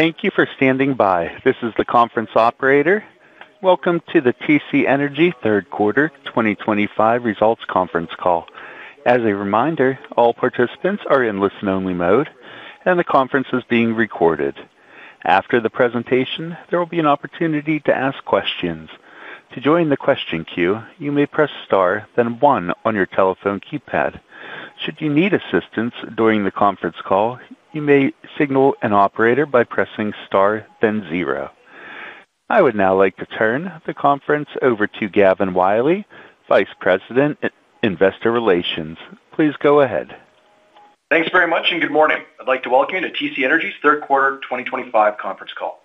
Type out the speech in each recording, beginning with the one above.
Thank you for standing by. This is the conference operator. Welcome to the TC Energy third quarter 2025 results conference call. As a reminder, all participants are in listen-only mode, and the conference is being recorded. After the presentation, there will be an opportunity to ask questions. To join the question queue, you may press star, then one on your telephone keypad. Should you need assistance during the conference call, you may signal an operator by pressing star, then zero. I would now like to turn the conference over to Gavin Wylie, Vice President, Investor Relations. Please go ahead. Thanks very much and good morning. I'd like to welcome you to TC Energy's third quarter 2025 conference call.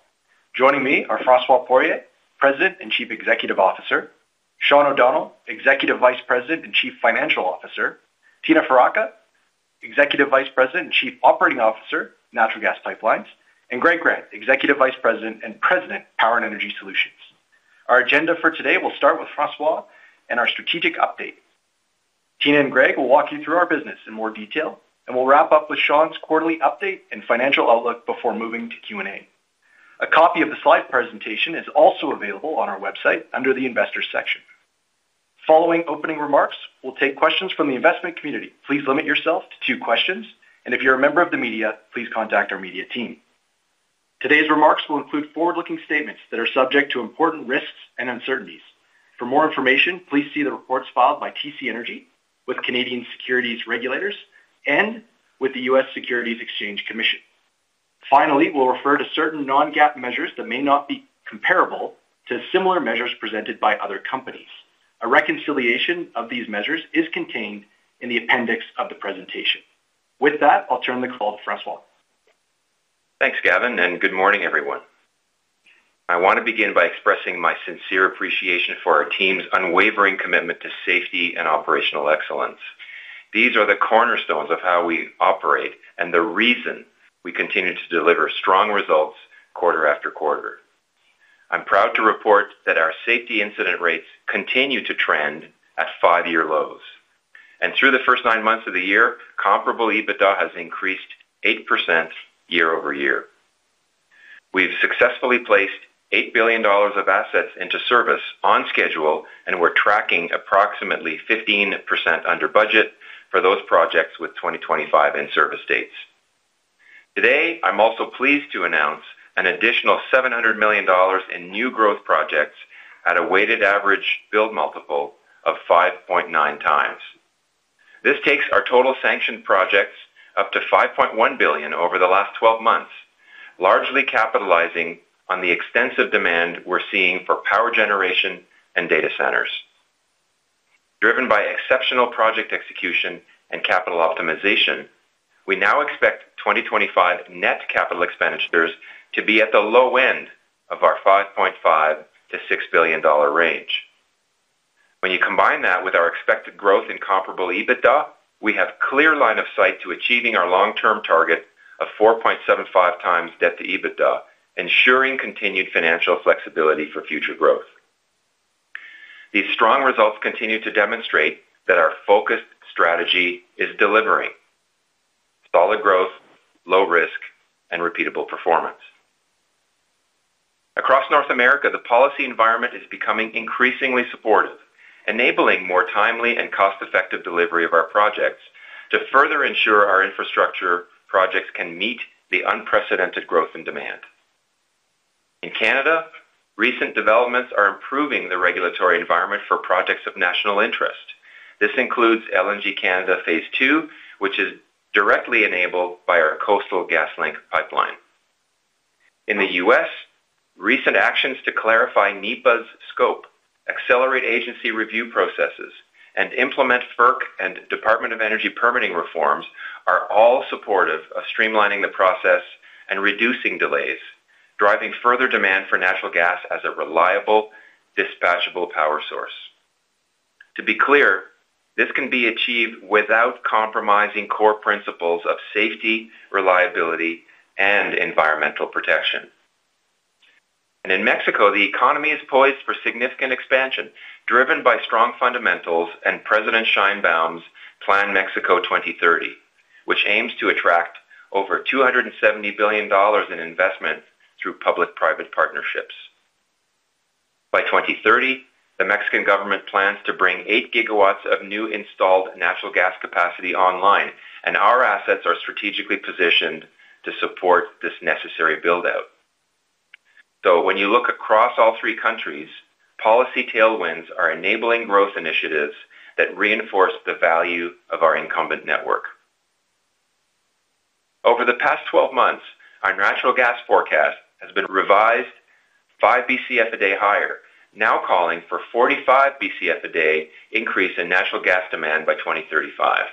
Joining me are Francois Poirier, President and Chief Executive Officer; Sean O'Donnell, Executive Vice President and Chief Financial Officer; Tina Faraca, Executive Vice President and Chief Operating Officer, Natural Gas Pipelines; and Greg Grant, Executive Vice President and President, Power and Energy Solutions. Our agenda for today will start with Francois and our strategic update. Tina and Greg will walk you through our business in more detail, and we'll wrap up with Sean's quarterly update and financial outlook before moving to Q&A. A copy of the slide presentation is also available on our website under the Investors section. Following opening remarks, we'll take questions from the investment community. Please limit yourself to two questions, and if you're a member of the media, please contact our media team. Today's remarks will include forward-looking statements that are subject to important risks and uncertainties. For more information, please see the reports filed by TC Energy with Canadian securities regulators and with the U.S. Securities Exchange Commission. Finally, we'll refer to certain non-GAAP measures that may not be comparable to similar measures presented by other companies. A reconciliation of these measures is contained in the appendix of the presentation. With that, I'll turn the call to François. Thanks, Gavin, and good morning, everyone. I want to begin by expressing my sincere appreciation for our team's unwavering commitment to safety and operational excellence. These are the cornerstones of how we operate and the reason we continue to deliver strong results quarter after quarter. I'm proud to report that our safety incident rates continue to trend at five-year lows, and through the first nine months of the year, comparable EBITDA has increased 8% year-over-year. We've successfully placed $8 billion of assets into service on schedule, and we're tracking approximately 15% under budget for those projects with 2025 in service dates. Today, I'm also pleased to announce an additional $700 million in new growth projects at a weighted average build multiple of 5.9x. This takes our total sanctioned projects up to $5.1 billion over the last 12 months, largely capitalizing on the extensive demand we are seeing for power generation and data centers. Driven by exceptional project execution and capital optimization, we now expect 2025 net capital expenditures to be at the low end of our $5.5 billion-$6 billion range. When you combine that with our expected growth in comparable EBITDA, we have clear line of sight to achieving our long-term target of 4.75x debt to EBITDA, ensuring continued financial flexibility for future growth. These strong results continue to demonstrate that our focused strategy is delivering. Solid growth, low risk, and repeatable performance. Across North America, the policy environment is becoming increasingly supportive, enabling more timely and cost-effective delivery of our projects to further ensure our infrastructure projects can meet the unprecedented growth in demand. In Canada, recent developments are improving the regulatory environment for projects of national interest. This includes LNG Canada Phase 2, which is directly enabled by our Coastal GasLink Pipeline. In the U.S., recent actions to clarify NEPA's scope, accelerate agency review processes, and implement FERC and Department of Energy permitting reforms are all supportive of streamlining the process and reducing delays, driving further demand for natural gas as a reliable, dispatchable power source. To be clear, this can be achieved without compromising core principles of safety, reliability, and environmental protection. In Mexico, the economy is poised for significant expansion driven by strong fundamentals and President Sheinbaum's Plan Mexico 2030, which aims to attract over $270 billion in investment through public-private partnerships. By 2030, the Mexican government plans to bring 8 GW of new installed natural gas capacity online, and our assets are strategically positioned to support this necessary build-out. When you look across all three countries, policy tailwinds are enabling growth initiatives that reinforce the value of our incumbent network. Over the past 12 months, our natural gas forecast has been revised 5 bcf a day higher, now calling for a 45 bcf a day increase in natural gas demand by 2035.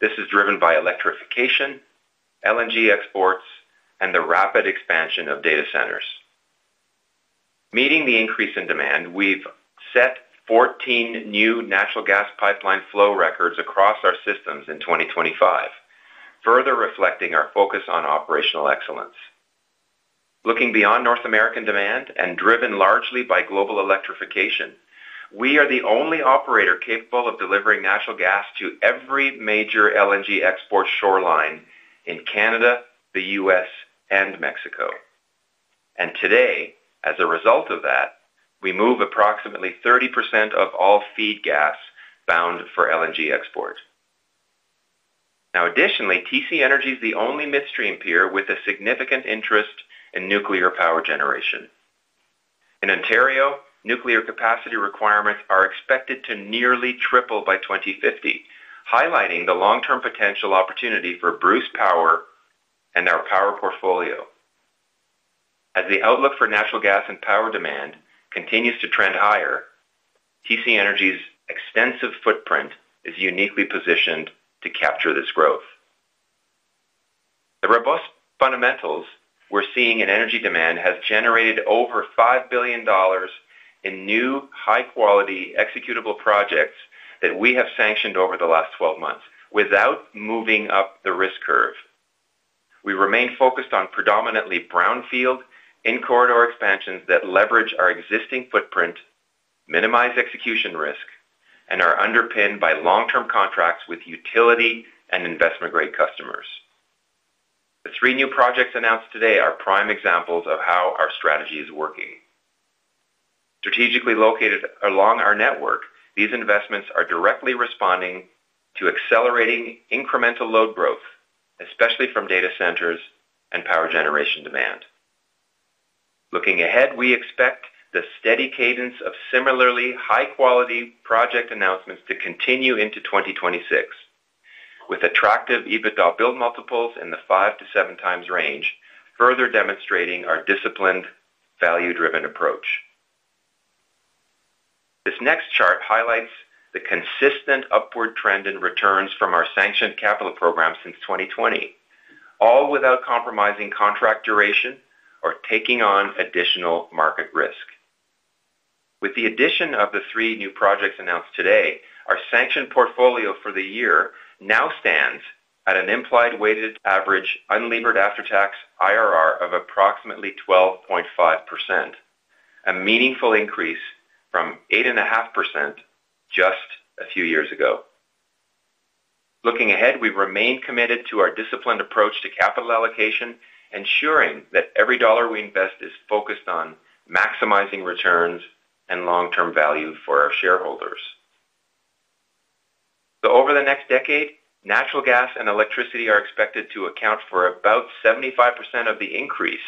This is driven by electrification, LNG exports, and the rapid expansion of data centers. Meeting the increase in demand, we've set 14 new natural gas pipeline flow records across our systems in 2025, further reflecting our focus on operational excellence. Looking beyond North American demand and driven largely by global electrification, we are the only operator capable of delivering natural gas to every major LNG export shoreline in Canada, the U.S., and Mexico. Today, as a result of that, we move approximately 30% of all feed gas bound for LNG export. Now, additionally, TC Energy is the only midstream peer with a significant interest in nuclear power generation. In Ontario, nuclear capacity requirements are expected to nearly triple by 2050, highlighting the long-term potential opportunity for Bruce Power and our power portfolio. As the outlook for natural gas and power demand continues to trend higher, TC Energy's extensive footprint is uniquely positioned to capture this growth. The robust fundamentals we are seeing in energy demand have generated over $5 billion in new high-quality executable projects that we have sanctioned over the last 12 months without moving up the risk curve. We remain focused on predominantly brownfield in-corridor expansions that leverage our existing footprint, minimize execution risk, and are underpinned by long-term contracts with utility and investment-grade customers. The three new projects announced today are prime examples of how our strategy is working. Strategically located along our network, these investments are directly responding to accelerating incremental load growth, especially from data centers and power generation demand. Looking ahead, we expect the steady cadence of similarly high-quality project announcements to continue into 2026. With attractive EBITDA build multiples in the 5x to 7x range, further demonstrating our disciplined, value-driven approach. This next chart highlights the consistent upward trend in returns from our sanctioned capital program since 2020, all without compromising contract duration or taking on additional market risk. With the addition of the three new projects announced today, our sanctioned portfolio for the year now stands at an implied weighted average unlabored after-tax IRR of approximately 12.5%. A meaningful increase from 8.5% just a few years ago. Looking ahead, we remain committed to our disciplined approach to capital allocation, ensuring that every dollar we invest is focused on maximizing returns and long-term value for our shareholders. Over the next decade, natural gas and electricity are expected to account for about 75% of the increase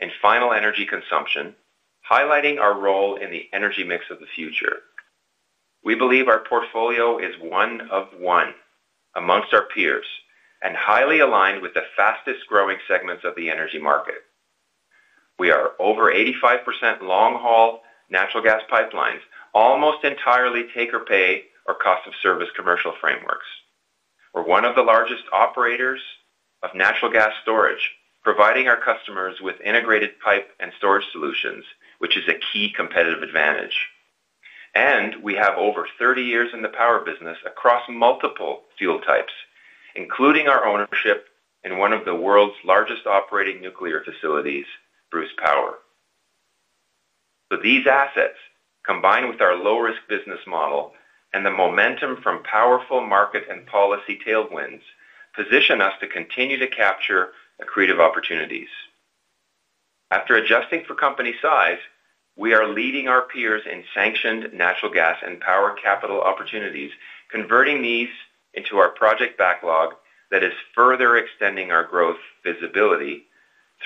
in final energy consumption, highlighting our role in the energy mix of the future. We believe our portfolio is one of one amongst our peers and highly aligned with the fastest-growing segments of the energy market. We are over 85% long-haul natural gas pipelines, almost entirely take-or-pay or cost-of-service commercial frameworks. We're one of the largest operators of natural gas storage, providing our customers with integrated pipe and storage solutions, which is a key competitive advantage. We have over 30 years in the power business across multiple fuel types, including our ownership in one of the world's largest operating nuclear facilities, Bruce Power. These assets, combined with our low-risk business model and the momentum from powerful market and policy tailwinds, position us to continue to capture accretive opportunities. After adjusting for company size, we are leading our peers in sanctioned natural gas and power capital opportunities, converting these into our project backlog that is further extending our growth visibility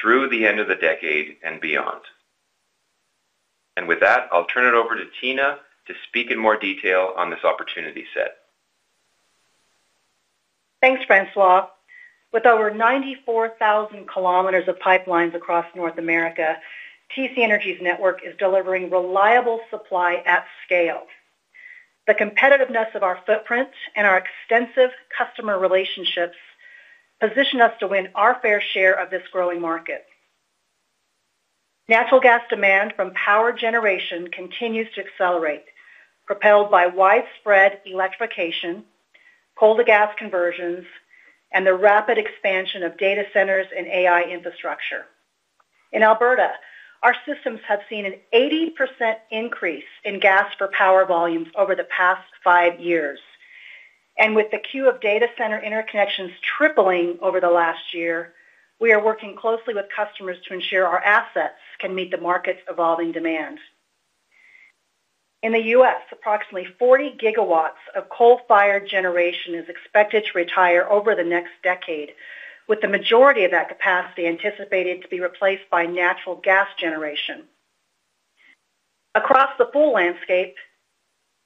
through the end of the decade and beyond. With that, I'll turn it over to Tina to speak in more detail on this opportunity set. Thanks, Francois. With over 94,000 Km of pipelines across North America, TC Energy's network is delivering reliable supply at scale. The competitiveness of our footprint and our extensive customer relationships position us to win our fair share of this growing market. Natural gas demand from power generation continues to accelerate, propelled by widespread electrification, coal-to-gas conversions, and the rapid expansion of data centers and AI infrastructure. In Alberta, our systems have seen an 80% increase in gas-for-power volumes over the past five years. With the queue of data center interconnections tripling over the last year, we are working closely with customers to ensure our assets can meet the market's evolving demand. In the U.S., approximately 40 GW of coal-fired generation is expected to retire over the next decade, with the majority of that capacity anticipated to be replaced by natural gas generation. Across the full landscape,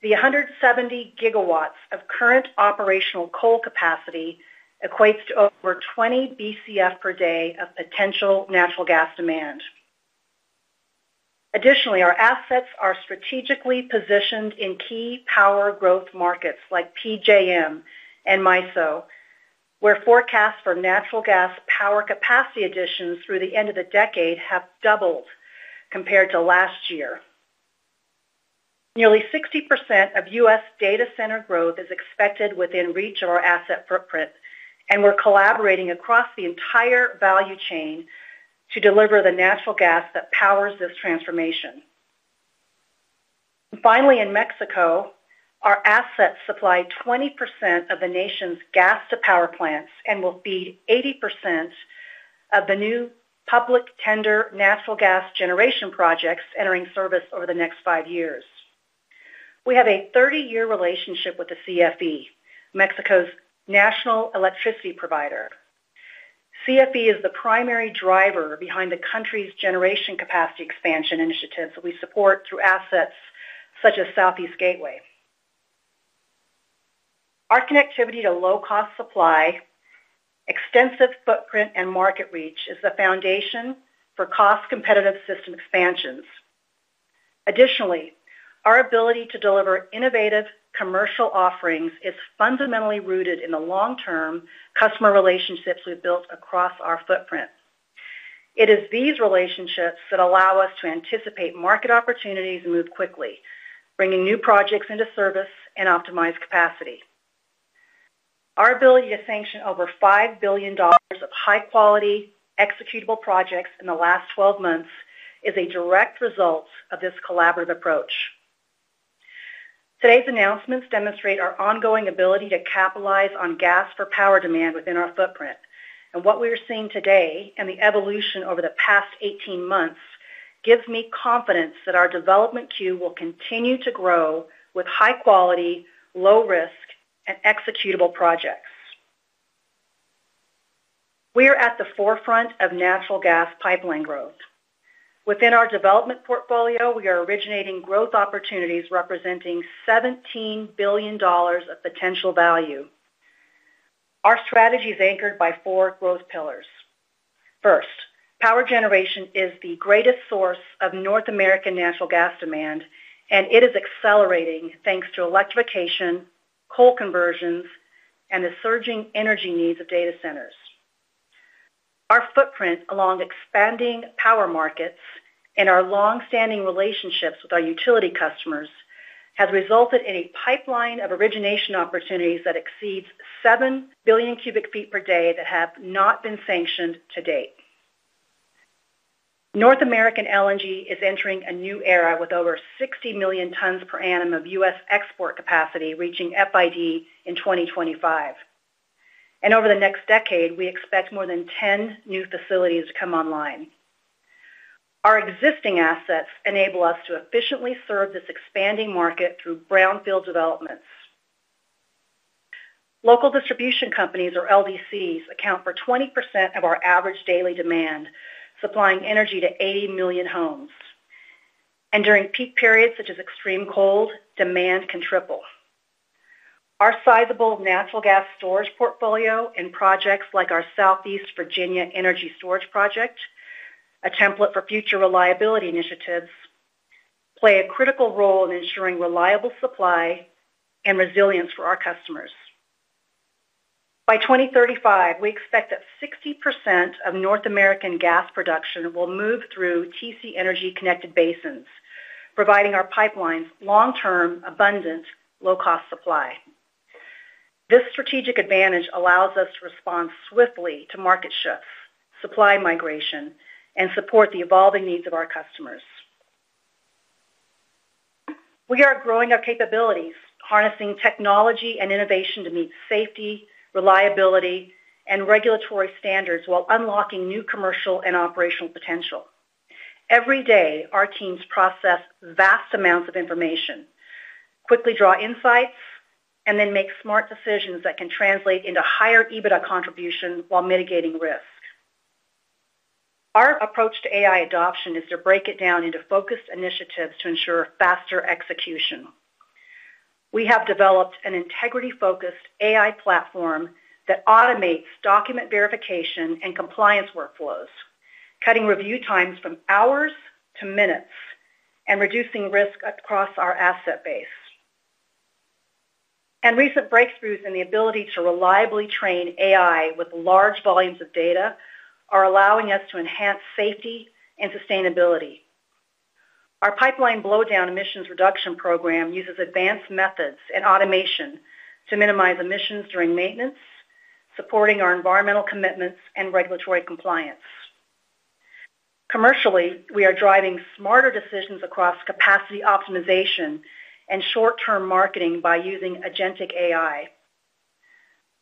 the 170 GW of current operational coal capacity equates to over 20 bcf per day of potential natural gas demand. Additionally, our assets are strategically positioned in key power growth markets like PJM and MISO, where forecasts for natural gas power capacity additions through the end of the decade have doubled compared to last year. Nearly 60% of U.S. data center growth is expected within reach of our asset footprint, and we're collaborating across the entire value chain to deliver the natural gas that powers this transformation. Finally, in Mexico, our assets supply 20% of the nation's gas-to-power plants and will feed 80% of the new public tender natural gas generation projects entering service over the next five years. We have a 30-year relationship with the CFE, Mexico's national electricity provider. CFE is the primary driver behind the country's generation capacity expansion initiatives that we support through assets such as Southeast Gateway. Our connectivity to low-cost supply, extensive footprint, and market reach is the foundation for cost-competitive system expansions. Additionally, our ability to deliver innovative commercial offerings is fundamentally rooted in the long-term customer relationships we've built across our footprint. It is these relationships that allow us to anticipate market opportunities and move quickly, bringing new projects into service and optimized capacity. Our ability to sanction over $5 billion of high-quality executable projects in the last 12 months is a direct result of this collaborative approach. Today's announcements demonstrate our ongoing ability to capitalize on gas-for-power demand within our footprint. What we are seeing today and the evolution over the past 18 months gives me confidence that our development queue will continue to grow with high-quality, low-risk, and executable projects. We are at the forefront of natural gas pipeline growth. Within our development portfolio, we are originating growth opportunities representing $17 billion of potential value. Our strategy is anchored by four growth pillars. First, power generation is the greatest source of North American natural gas demand, and it is accelerating thanks to electrification, coal conversions, and the surging energy needs of data centers. Our footprint along expanding power markets and our long-standing relationships with our utility customers has resulted in a pipeline of origination opportunities that exceeds 7 billion cu ft per day that have not been sanctioned to date. North American LNG is entering a new era with over 60 million tons per annum of U.S. export capacity reaching FID in 2025. Over the next decade, we expect more than 10 new facilities to come online. Our existing assets enable us to efficiently serve this expanding market through brownfield developments. Local distribution companies, or LDCs, account for 20% of our average daily demand, supplying energy to 80 million homes. During peak periods such as extreme cold, demand can triple. Our sizable natural gas storage portfolio and projects like our Southeast Virginia energy storage project, a template for future reliability initiatives, play a critical role in ensuring reliable supply and resilience for our customers. By 2035, we expect that 60% of North American gas production will move through TC Energy connected basins, providing our pipelines long-term abundant low-cost supply. This strategic advantage allows us to respond swiftly to market shifts, supply migration, and support the evolving needs of our customers. We are growing our capabilities, harnessing technology and innovation to meet safety, reliability, and regulatory standards while unlocking new commercial and operational potential. Every day, our teams process vast amounts of information, quickly draw insights, and then make smart decisions that can translate into higher EBITDA contribution while mitigating risk. Our approach to AI adoption is to break it down into focused initiatives to ensure faster execution. We have developed an integrity-focused AI platform that automates document verification and compliance workflows, cutting review times from hours to minutes and reducing risk across our asset base. Recent breakthroughs in the ability to reliably train AI with large volumes of data are allowing us to enhance safety and sustainability. Our pipeline blowdown emissions reduction program uses advanced methods and automation to minimize emissions during maintenance, supporting our environmental commitments and regulatory compliance. Commercially, we are driving smarter decisions across capacity optimization and short-term marketing by using agentic AI.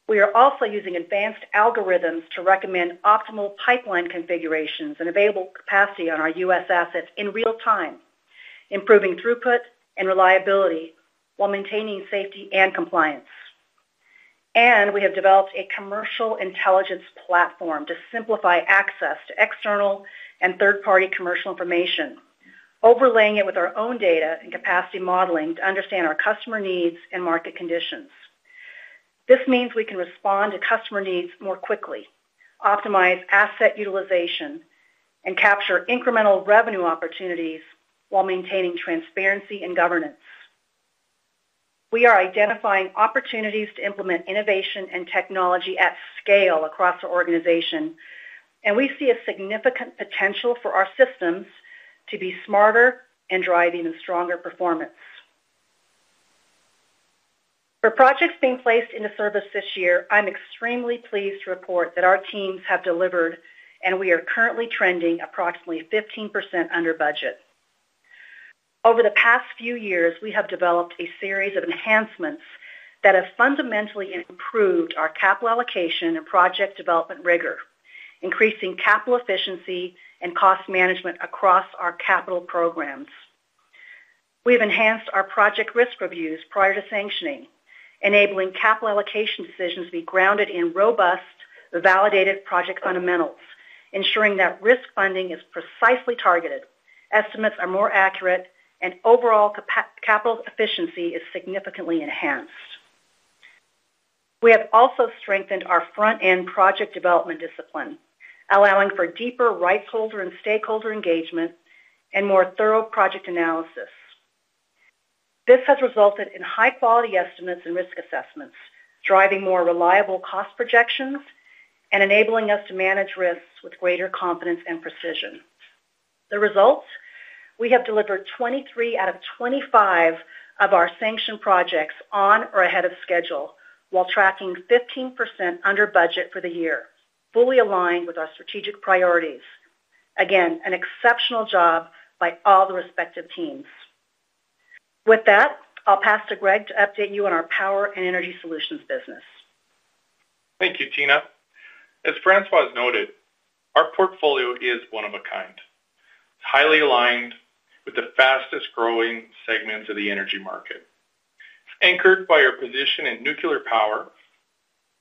We are also using advanced algorithms to recommend optimal pipeline configurations and available capacity on our U.S. assets in real time, improving throughput and reliability while maintaining safety and compliance. We have developed a commercial intelligence platform to simplify access to external and third-party commercial information, overlaying it with our own data and capacity modeling to understand our customer needs and market conditions. This means we can respond to customer needs more quickly, optimize asset utilization, and capture incremental revenue opportunities while maintaining transparency and governance. We are identifying opportunities to implement innovation and technology at scale across our organization, and we see a significant potential for our systems to be smarter and driving stronger performance. For projects being placed into service this year, I'm extremely pleased to report that our teams have delivered, and we are currently trending approximately 15% under budget. Over the past few years, we have developed a series of enhancements that have fundamentally improved our capital allocation and project development rigor, increasing capital efficiency and cost management across our capital programs. We have enhanced our project risk reviews prior to sanctioning, enabling capital allocation decisions to be grounded in robust, validated project fundamentals, ensuring that risk funding is precisely targeted, estimates are more accurate, and overall capital efficiency is significantly enhanced. We have also strengthened our front-end project development discipline, allowing for deeper rights holder and stakeholder engagement and more thorough project analysis. This has resulted in high-quality estimates and risk assessments, driving more reliable cost projections and enabling us to manage risks with greater confidence and precision. The results? We have delivered 23 out of 25 of our sanctioned projects on or ahead of schedule while tracking 15% under budget for the year, fully aligned with our strategic priorities. Again, an exceptional job by all the respective teams. With that, I'll pass to Greg to update you on our power and energy solutions business. Thank you, Tina. As Francois noted, our portfolio is one of a kind. It is highly aligned with the fastest-growing segments of the energy market, anchored by our position in nuclear power.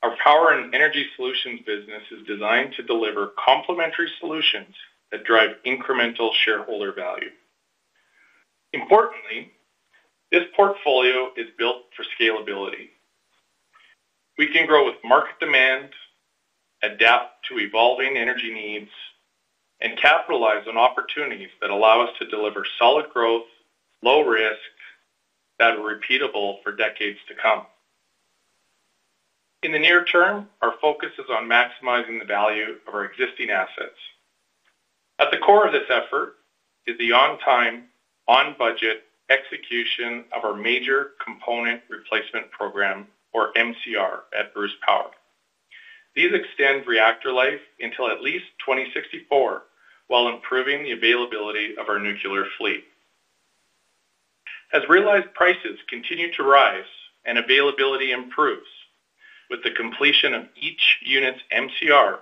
Our power and energy solutions business is designed to deliver complementary solutions that drive incremental shareholder value. Importantly, this portfolio is built for scalability. We can grow with market demand, adapt to evolving energy needs, and capitalize on opportunities that allow us to deliver solid growth, low risk, that are repeatable for decades to come. In the near term, our focus is on maximizing the value of our existing assets. At the core of this effort is the on-time, on-budget execution of our Major Component Replacement program, or MCR, at Bruce Power. These extend reactor life until at least 2064 while improving the availability of our nuclear fleet. As realized prices continue to rise and availability improves with the completion of each unit's MCR,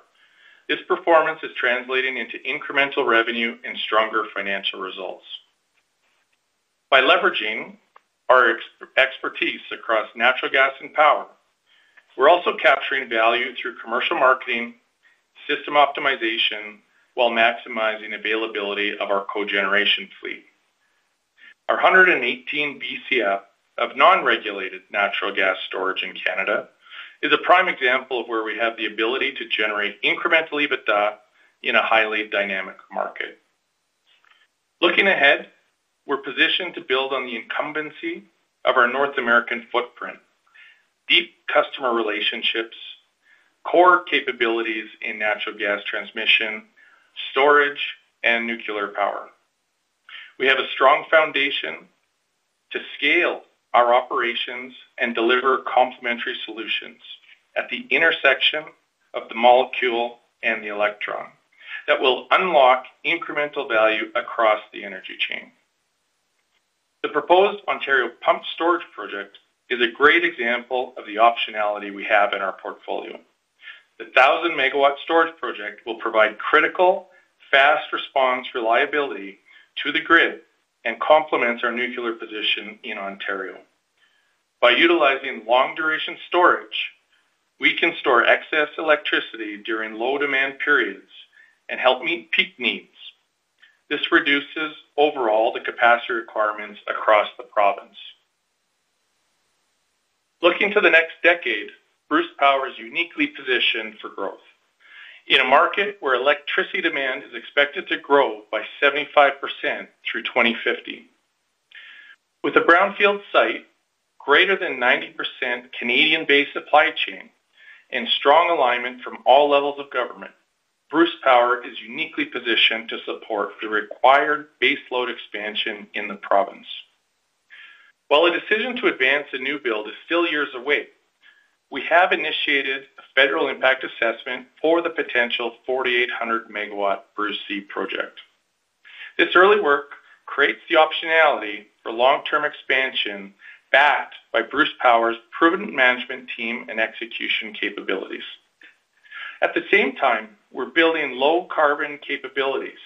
this performance is translating into incremental revenue and stronger financial results. By leveraging our expertise across natural gas and power, we're also capturing value through commercial marketing, system optimization, while maximizing availability of our co-generation fleet. Our 118 bcf of non-regulated natural gas storage in Canada is a prime example of where we have the ability to generate incremental EBITDA in a highly dynamic market. Looking ahead, we're positioned to build on the incumbency of our North American footprint. Deep customer relationships, core capabilities in natural gas transmission, storage, and nuclear power. We have a strong foundation to scale our operations and deliver complementary solutions at the intersection of the molecule and the electron that will unlock incremental value across the energy chain. The proposed Ontario Pumped Storage Project is a great example of the optionality we have in our portfolio. The 1,000 MW storage project will provide critical, fast response reliability to the grid and complements our nuclear position in Ontario. By utilizing long-duration storage, we can store excess electricity during low-demand periods and help meet peak needs. This reduces overall the capacity requirements across the province. Looking to the next decade, Bruce Power is uniquely positioned for growth in a market where electricity demand is expected to grow by 75% through 2050. With a brownfield site, greater than 90% Canadian-based supply chain, and strong alignment from all levels of government, Bruce Power is uniquely positioned to support the required base load expansion in the province. While a decision to advance a new build is still years away, we have initiated a federal impact assessment for the potential 4,800 MW Bruce C Project. This early work creates the optionality for long-term expansion backed by Bruce Power's proven management team and execution capabilities. At the same time, we're building low-carbon capabilities,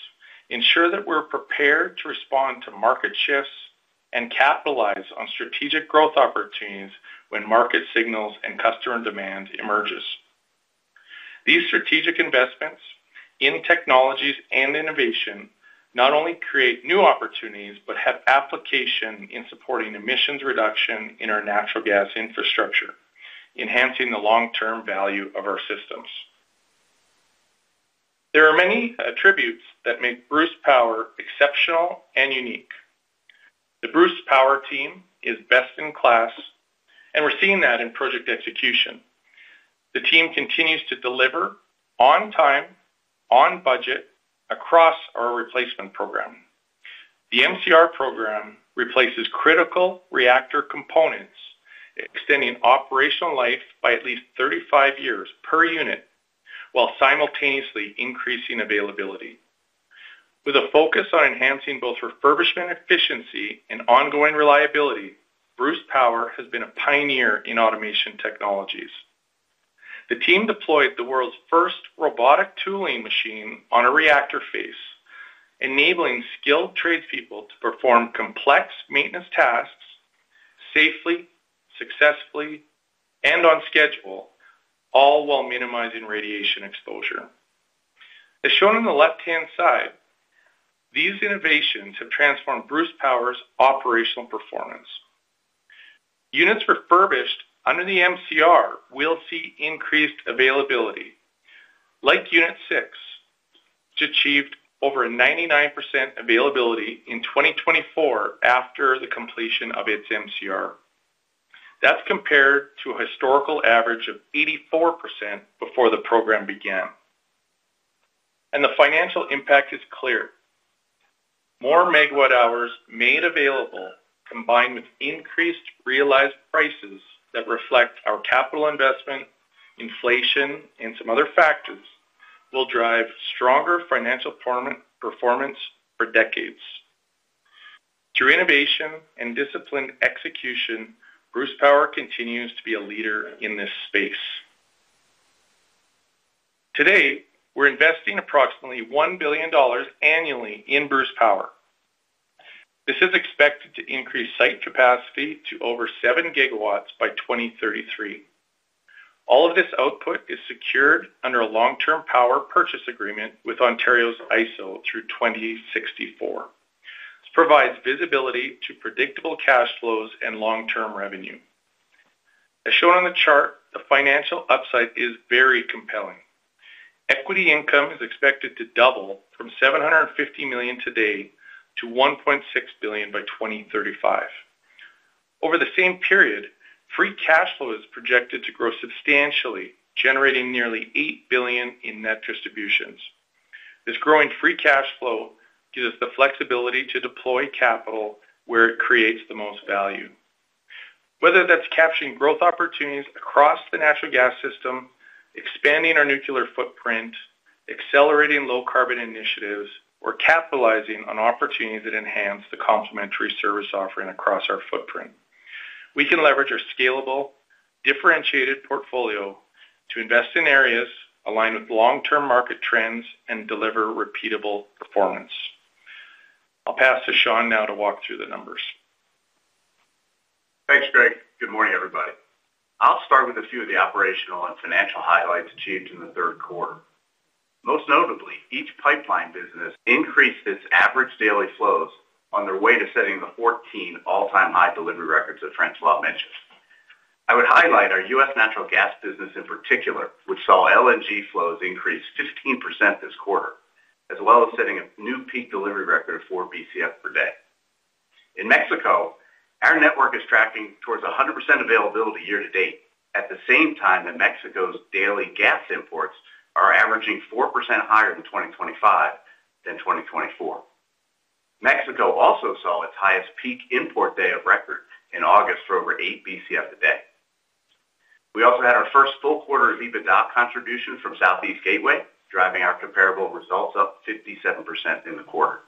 ensuring that we're prepared to respond to market shifts and capitalize on strategic growth opportunities when market signals and customer demand emerges. These strategic investments in technologies and innovation not only create new opportunities but have application in supporting emissions reduction in our natural gas infrastructure, enhancing the long-term value of our systems. There are many attributes that make Bruce Power exceptional and unique. The Bruce Power team is best in class, and we're seeing that in project execution. The team continues to deliver on time, on budget, across our replacement program. The MCR program replaces critical reactor components, extending operational life by at least 35 years per unit while simultaneously increasing availability. With a focus on enhancing both refurbishment efficiency and ongoing reliability, Bruce Power has been a pioneer in automation technologies. The team deployed the world's first robotic tooling machine on a reactor face, enabling skilled tradespeople to perform complex maintenance tasks safely, successfully, and on schedule, all while minimizing radiation exposure. As shown on the left-hand side, these innovations have transformed Bruce Power's operational performance. Units refurbished under the MCR will see increased availability, like unit 6, which achieved over 99% availability in 2024 after the completion of its MCR. That is compared to a historical average of 84% before the program began. The financial impact is clear. More megawatt hours made available, combined with increased realized prices that reflect our capital investment, inflation, and some other factors, will drive stronger financial performance for decades. Through innovation and disciplined execution, Bruce Power continues to be a leader in this space. Today, we're investing approximately $1 billion annually in Bruce Power. This is expected to increase site capacity to over 7 GW by 2033. All of this output is secured under a long-term power purchase agreement with Ontario's ISO through 2064. This provides visibility to predictable cash flows and long-term revenue. As shown on the chart, the financial upside is very compelling. Equity income is expected to double from $750 million today to $1.6 billion by 2035. Over the same period, free cash flow is projected to grow substantially, generating nearly $8 billion in net distributions. This growing free cash flow gives us the flexibility to deploy capital where it creates the most value. Whether that's capturing growth opportunities across the natural gas system, expanding our nuclear footprint, accelerating low-carbon initiatives, or capitalizing on opportunities that enhance the complementary service offering across our footprint, we can leverage our scalable, differentiated portfolio to invest in areas aligned with long-term market trends and deliver repeatable performance. I'll pass to Sean now to walk through the numbers. Thanks, Greg. Good morning, everybody. I'll start with a few of the operational and financial highlights achieved in the third quarter. Most notably, each pipeline business increased its average daily flows on their way to setting the 14 all-time high delivery records that Francois mentioned. I would highlight our U.S. natural gas business in particular, which saw LNG flows increase 15% this quarter, as well as setting a new peak delivery record of 4 bcf per day. In Mexico, our network is tracking towards 100% availability year to date, at the same time that Mexico's daily gas imports are averaging 4% higher in 2025 than 2024. Mexico also saw its highest peak import day of record in August for over 8 bcf a day. We also had our first full quarter EBITDA contribution from Southeast Gateway, driving our comparable results up 57% in the quarter.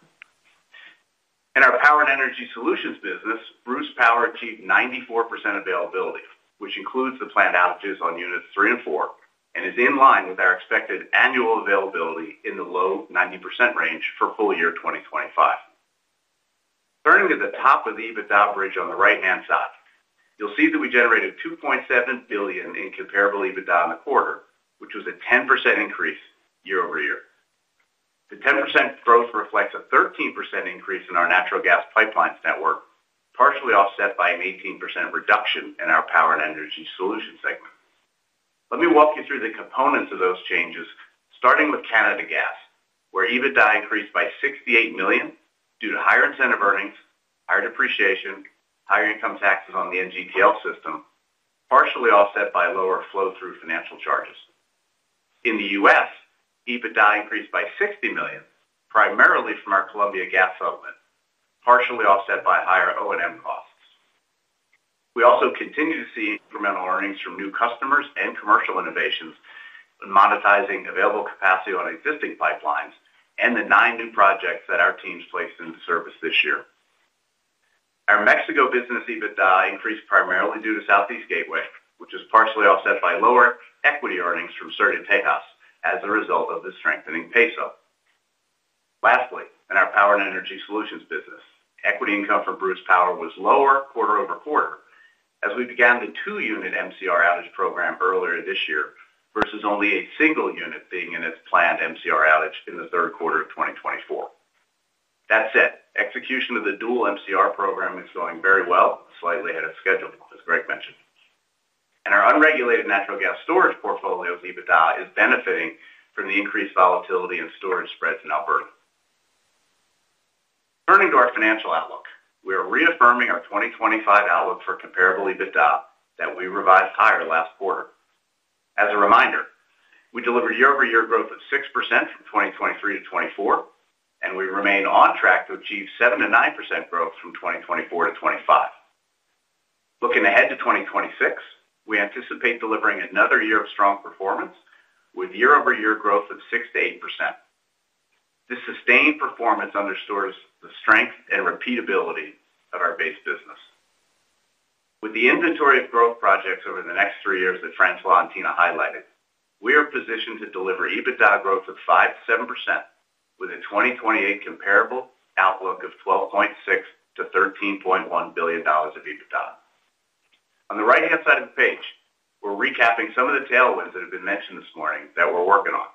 In our power and energy solutions business, Bruce Power achieved 94% availability, which includes the planned outages on units 3 and 4, and is in line with our expected annual availability in the low 90% range for full year 2025. Turning to the top of the EBITDA bridge on the right-hand side, you'll see that we generated $2.7 billion in comparable EBITDA in the quarter, which was a 10% increase year-over- year. The 10% growth reflects a 13% increase in our natural gas pipelines network, partially offset by an 18% reduction in our power and energy solution segment. Let me walk you through the components of those changes, starting with Canada Gas, where EBITDA increased by $68 million due to higher incentive earnings, higher depreciation, and higher income taxes on the NGPL system, partially offset by lower flow-through financial charges. In the U.S., EBITDA increased by $60 million, primarily from our Columbia Gas settlement, partially offset by higher O&M costs. We also continue to see incremental earnings from new customers and commercial innovations in monetizing available capacity on existing pipelines and the nine new projects that our teams placed into service this year. Our Mexico business EBITDA increased primarily due to Southeast Gateway, which is partially offset by lower equity earnings from Topolobampo as a result of the strengthening PESO. Lastly, in our power and energy solutions business, equity income from Bruce Power was lower quarter-over-quarter as we began the two-unit MCR outage program earlier this year versus only a single unit being in its planned MCR outage in the third quarter of 2024. That said, execution of the dual MCR program is going very well, slightly ahead of schedule, as Greg mentioned. Our unregulated natural gas storage portfolio's EBITDA is benefiting from the increased volatility and storage spreads in Alberta. Turning to our financial outlook, we are reaffirming our 2025 outlook for comparable EBITDA that we revised higher last quarter. As a reminder, we delivered year-over-year growth of 6% from 2023-2024, and we remain on track to achieve 7%-9% growth from 2024 to 2025. Looking ahead to 2026, we anticipate delivering another year of strong performance with year-over-year growth of 6%-8%. This sustained performance underscores the strength and repeatability of our base business. With the inventory of growth projects over the next three years that Francois and Tina highlighted, we are positioned to deliver EBITDA growth of 5%-7% with a 2028 comparable outlook of $12.6 billion-$13.1 billion of EBITDA. On the right-hand side of the page, we're recapping some of the tailwinds that have been mentioned this morning that we're working on.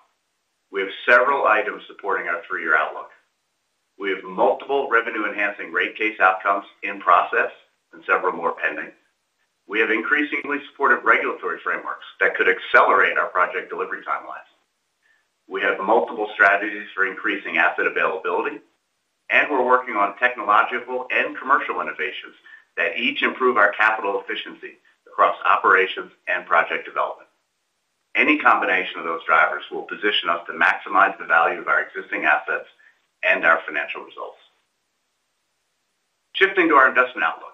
We have several items supporting our three-year outlook. We have multiple revenue-enhancing rate case outcomes in process and several more pending. We have increasingly supportive regulatory frameworks that could accelerate our project delivery timelines. We have multiple strategies for increasing asset availability, and we're working on technological and commercial innovations that each improve our capital efficiency across operations and project development. Any combination of those drivers will position us to maximize the value of our existing assets and our financial results. Shifting to our investment outlook,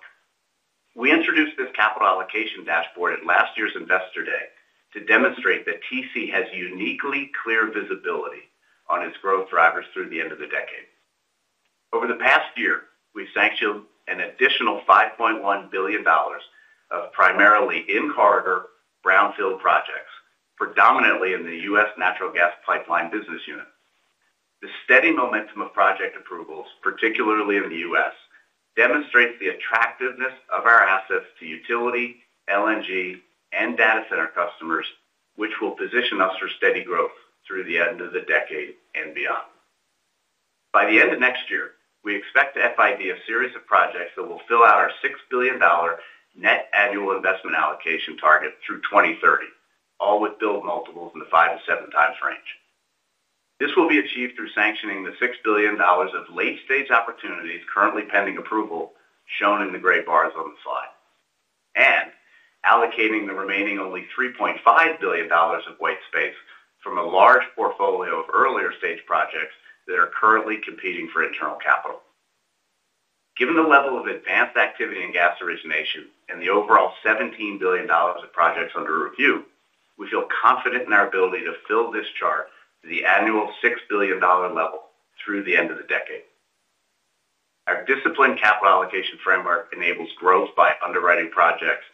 we introduced this capital allocation dashboard at last year's Investor Day to demonstrate that TC has uniquely clear visibility on its growth drivers through the end of the decade. Over the past year, we've sanctioned an additional $5.1 billion of primarily in-quarter brownfield projects, predominantly in the U.S. natural gas pipeline business unit. The steady momentum of project approvals, particularly in the U.S., demonstrates the attractiveness of our assets to utility, LNG, and data center customers, which will position us for steady growth through the end of the decade and beyond. By the end of next year, we expect to FID a series of projects that will fill out our $6 billion net annual investment allocation target through 2030, all with build multiples in the five- to seven-times range. This will be achieved through sanctioning the $6 billion of late-stage opportunities currently pending approval, shown in the gray bars on the slide, and allocating the remaining only $3.5 billion of white space from a large portfolio of earlier-stage projects that are currently competing for internal capital. Given the level of advanced activity in gas origination and the overall $17 billion of projects under review, we feel confident in our ability to fill this chart to the annual $6 billion level through the end of the decade. Our disciplined capital allocation framework enables growth by underwriting projects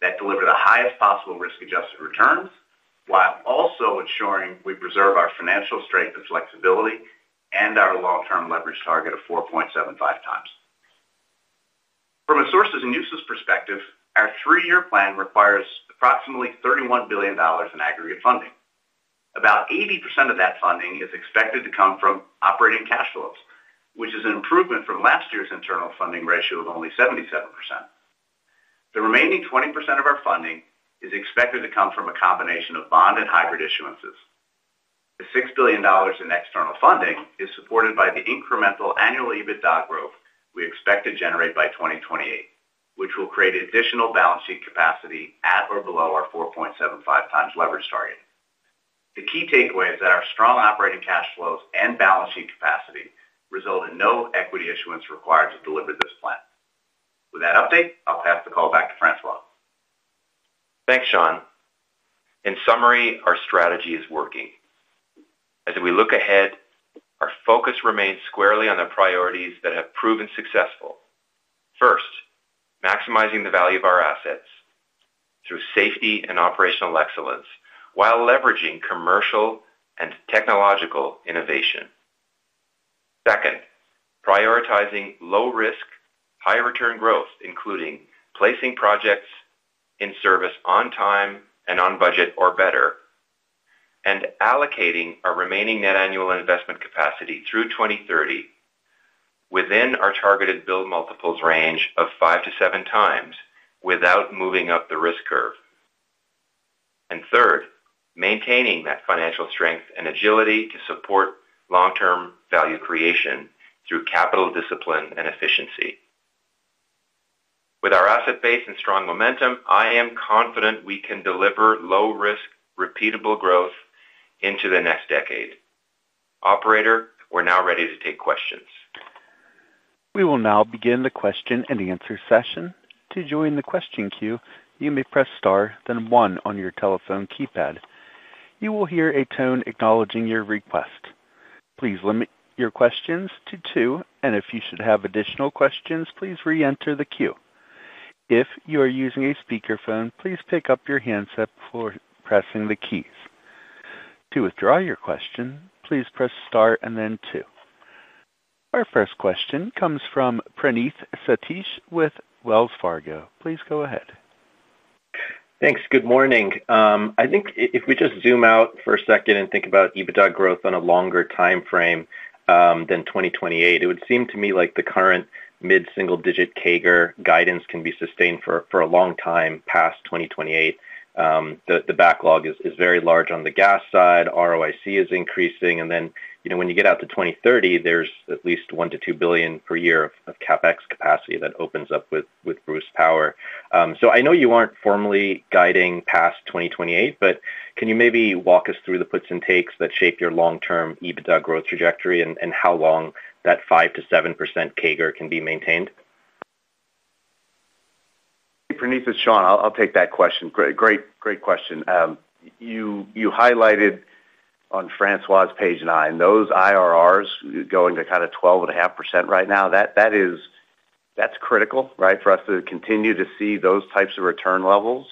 that deliver the highest possible risk-adjusted returns while also ensuring we preserve our financial strength and flexibility and our long-term leverage target of 4.75x. From a sources and uses perspective, our three-year plan requires approximately $31 billion in aggregate funding. About 80% of that funding is expected to come from operating cash flows, which is an improvement from last year's internal funding ratio of only 77%. The remaining 20% of our funding is expected to come from a combination of bond and hybrid issuances. The $6 billion in external funding is supported by the incremental annual EBITDA growth we expect to generate by 2028, which will create additional balance sheet capacity at or below our 4.75x leverage target. The key takeaway is that our strong operating cash flows and balance sheet capacity result in no equity issuance required to deliver this plan. With that update, I'll pass the call back to Francois. Thanks, Sean. In summary, our strategy is working. As we look ahead, our focus remains squarely on the priorities that have proven successful. First, maximizing the value of our assets through safety and operational excellence while leveraging commercial and technological innovation. Second, prioritizing low-risk, high-return growth, including placing projects in service on time and on budget or better. Allocating our remaining net annual investment capacity through 2030 within our targeted build multiples range of five to seven times without moving up the risk curve. Third, maintaining that financial strength and agility to support long-term value creation through capital discipline and efficiency. With our asset base and strong momentum, I am confident we can deliver low-risk, repeatable growth into the next decade. Operator, we're now ready to take questions. We will now begin the question and answer session. To join the question queue, you may press star, then one on your telephone keypad. You will hear a tone acknowledging your request. Please limit your questions to two, and if you should have additional questions, please re-enter the queue. If you are using a speakerphone, please pick up your handset before pressing the keys. To withdraw your question, please press star and then two. Our first question comes from Praneeth Satish with Wells Fargo. Please go ahead. Thanks. Good morning. I think if we just zoom out for a second and think about EBITDA growth on a longer timeframe than 2028, it would seem to me like the current mid-single-digit CAGR guidance can be sustained for a long time past 2028. The backlog is very large on the gas side. ROIC is increasing. When you get out to 2030, there is at least $1 billion-$2 billion per year of CapEx capacity that opens up with Bruce Power. I know you are not formally guiding past 2028, but can you maybe walk us through the puts and takes that shape your long-term EBITDA growth trajectory and how long that 5%-7% CAGR can be maintained? Praneeth, it's Sean. I'll take that question. Great question. You highlighted on Francois's page nine, those IRRs going to kind of 12.5% right now, that's critical for us to continue to see those types of return levels.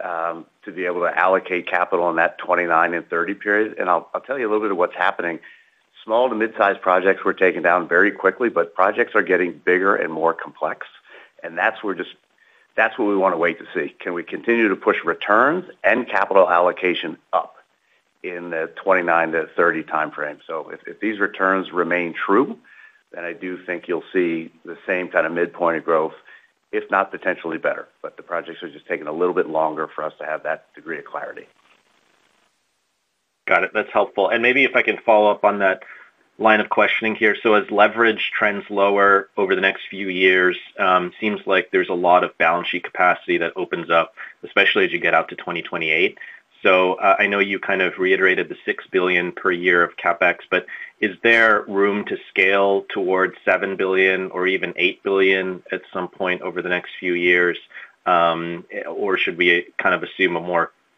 To be able to allocate capital in that 2029 and 2030 period. I'll tell you a little bit of what's happening. Small to mid-sized projects were taken down very quickly, but projects are getting bigger and more complex. That's what we want to wait to see. Can we continue to push returns and capital allocation up in the 2029 to 2030 timeframe? If these returns remain true, then I do think you'll see the same kind of mid-point of growth, if not potentially better. The projects are just taking a little bit longer for us to have that degree of clarity. Got it. That's helpful. Maybe if I can follow up on that line of questioning here. As leverage trends lower over the next few years, it seems like there's a lot of balance sheet capacity that opens up, especially as you get out to 2028. I know you kind of reiterated the $6 billion per year of CapEx, but is there room to scale towards $7 billion or even $8 billion at some point over the next few years? Should we kind of assume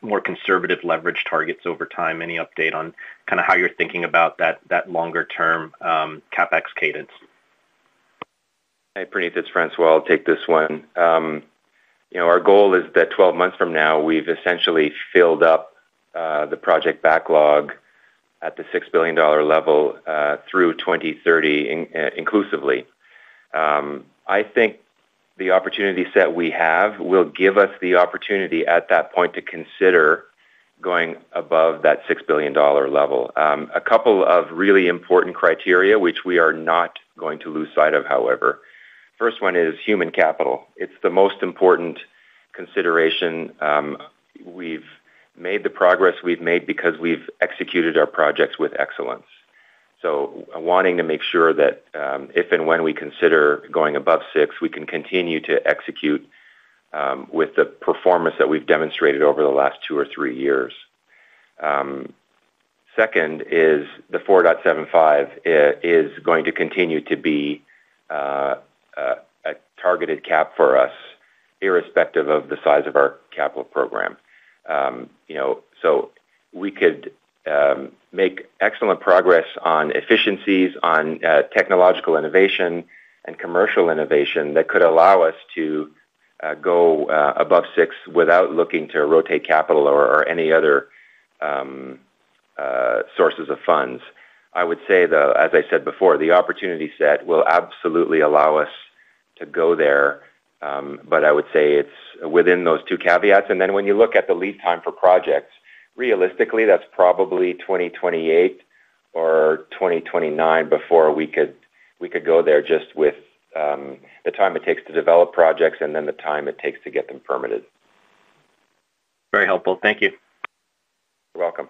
more conservative leverage targets over time? Any update on kind of how you're thinking about that longer-term CapEx cadence? Hey, Praneeth, it's François. I'll take this one. Our goal is that 12 months from now, we've essentially filled up the project backlog at the $6 billion level through 2030 inclusively. I think the opportunity set we have will give us the opportunity at that point to consider going above that $6 billion level. A couple of really important criteria, which we are not going to lose sight of, however. First one is human capital. It's the most important consideration. We've made the progress we've made because we've executed our projects with excellence. Want to make sure that if and when we consider going above six, we can continue to execute with the performance that we've demonstrated over the last two or three years. Second is the 4.75 is going to continue to be a targeted cap for us irrespective of the size of our capital program. We could make excellent progress on efficiencies, on technological innovation, and commercial innovation that could allow us to go above six without looking to rotate capital or any other sources of funds. I would say, though, as I said before, the opportunity set will absolutely allow us to go there. I would say it is within those two caveats. When you look at the lead time for projects, realistically, that is probably 2028 or 2029 before we could go there just with the time it takes to develop projects and then the time it takes to get them permitted. Very helpful. Thank you. You're welcome.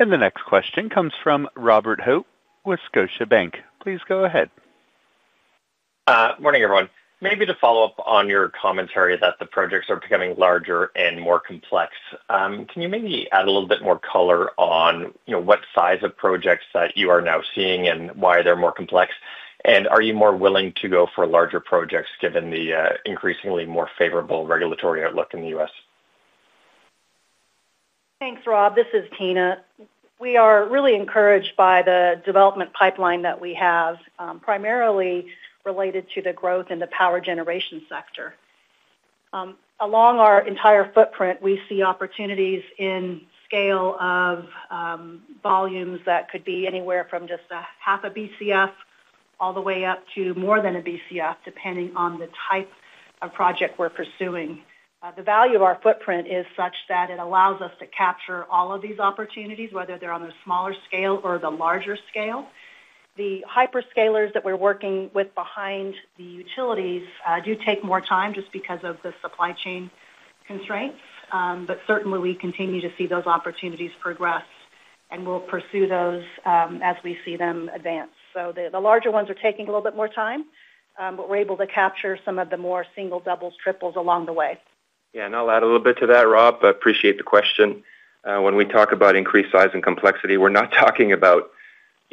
The next question comes from Robert Hope with Scotiabank. Please go ahead. Morning, everyone. Maybe to follow up on your commentary that the projects are becoming larger and more complex, can you maybe add a little bit more color on what size of projects that you are now seeing and why they're more complex? Are you more willing to go for larger projects given the increasingly more favorable regulatory outlook in the U.S.? Thanks, Rob. This is Tina. We are really encouraged by the development pipeline that we have, primarily related to the growth in the power generation sector. Along our entire footprint, we see opportunities in scale of volumes that could be anywhere from just a half a bcf all the way up to more than a bcf, depending on the type of project we're pursuing. The value of our footprint is such that it allows us to capture all of these opportunities, whether they're on the smaller scale or the larger scale. The hyperscalers that we're working with behind the utilities do take more time just because of the supply chain constraints. Certainly, we continue to see those opportunities progress, and we'll pursue those as we see them advance. The larger ones are taking a little bit more time, but we're able to capture some of the more single, doubles, triples along the way. Yeah, and I'll add a little bit to that, Rob. I appreciate the question. When we talk about increased size and complexity, we're not talking about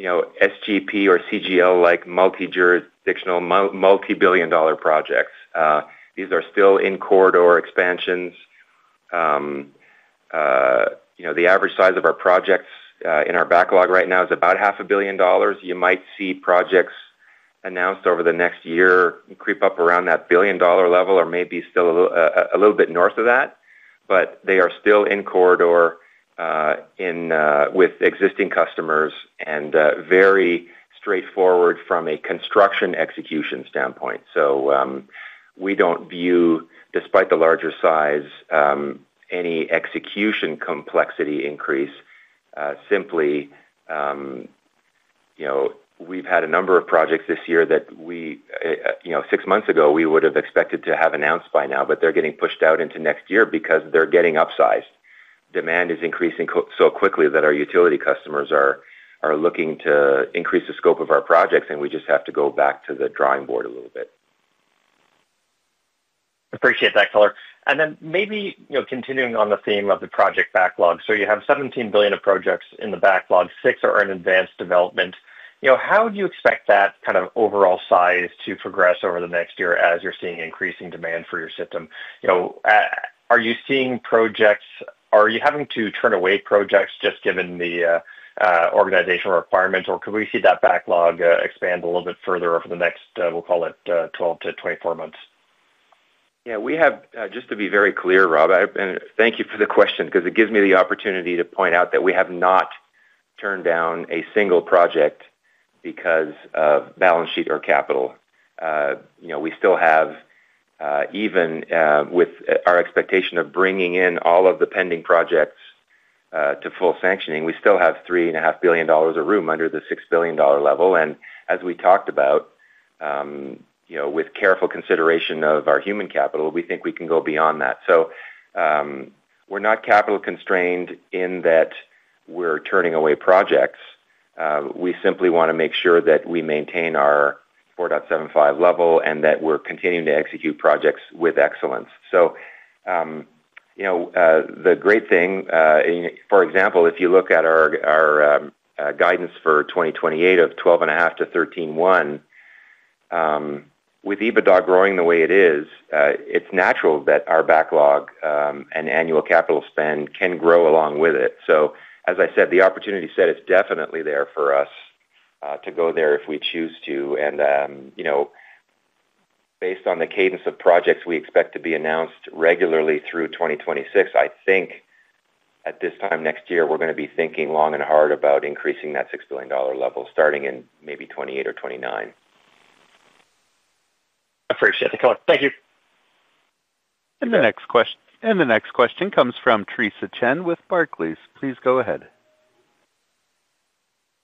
SGP or CGL-like multi-jurisdictional, multi-billion dollar projects. These are still in-corridor expansions. The average size of our projects in our backlog right now is about $500,000,000. You might see projects announced over the next year creep up around that $1,000,000,000 level or maybe still a little bit north of that. They are still in-corridor with existing customers and very straightforward from a construction execution standpoint. We don't view, despite the larger size, any execution complexity increase. Simply, we've had a number of projects this year that six months ago, we would have expected to have announced by now, but they're getting pushed out into next year because they're getting upsized. Demand is increasing so quickly that our utility customers are looking to increase the scope of our projects, and we just have to go back to the drawing board a little bit. Appreciate that, Color. Maybe continuing on the theme of the project backlog. You have $17 billion of projects in the backlog. Six are in advanced development. How do you expect that kind of overall size to progress over the next year as you're seeing increasing demand for your system? Are you seeing projects? Are you having to turn away projects just given the organizational requirements, or could we see that backlog expand a little bit further over the next, we'll call it 12-24 months? Yeah. Just to be very clear, Rob, and thank you for the question because it gives me the opportunity to point out that we have not turned down a single project because of balance sheet or capital. We still have, even with our expectation of bringing in all of the pending projects to full sanctioning, we still have $3.5 billion of room under the $6 billion level. As we talked about, with careful consideration of our human capital, we think we can go beyond that. We're not capital constrained in that we're turning away projects. We simply want to make sure that we maintain our 4.75 level and that we're continuing to execute projects with excellence. The great thing, for example, if you look at our guidance for 2028 of 12.5-13.1. With EBITDA growing the way it is, it's natural that our backlog and annual capital spend can grow along with it. As I said, the opportunity set is definitely there for us to go there if we choose to. Based on the cadence of projects we expect to be announced regularly through 2026, I think at this time next year, we're going to be thinking long and hard about increasing that $6 billion level starting in maybe 2028 or 2029. Appreciate it, caller. Thank you. The next question comes from Theresa Chen with Barclays. Please go ahead.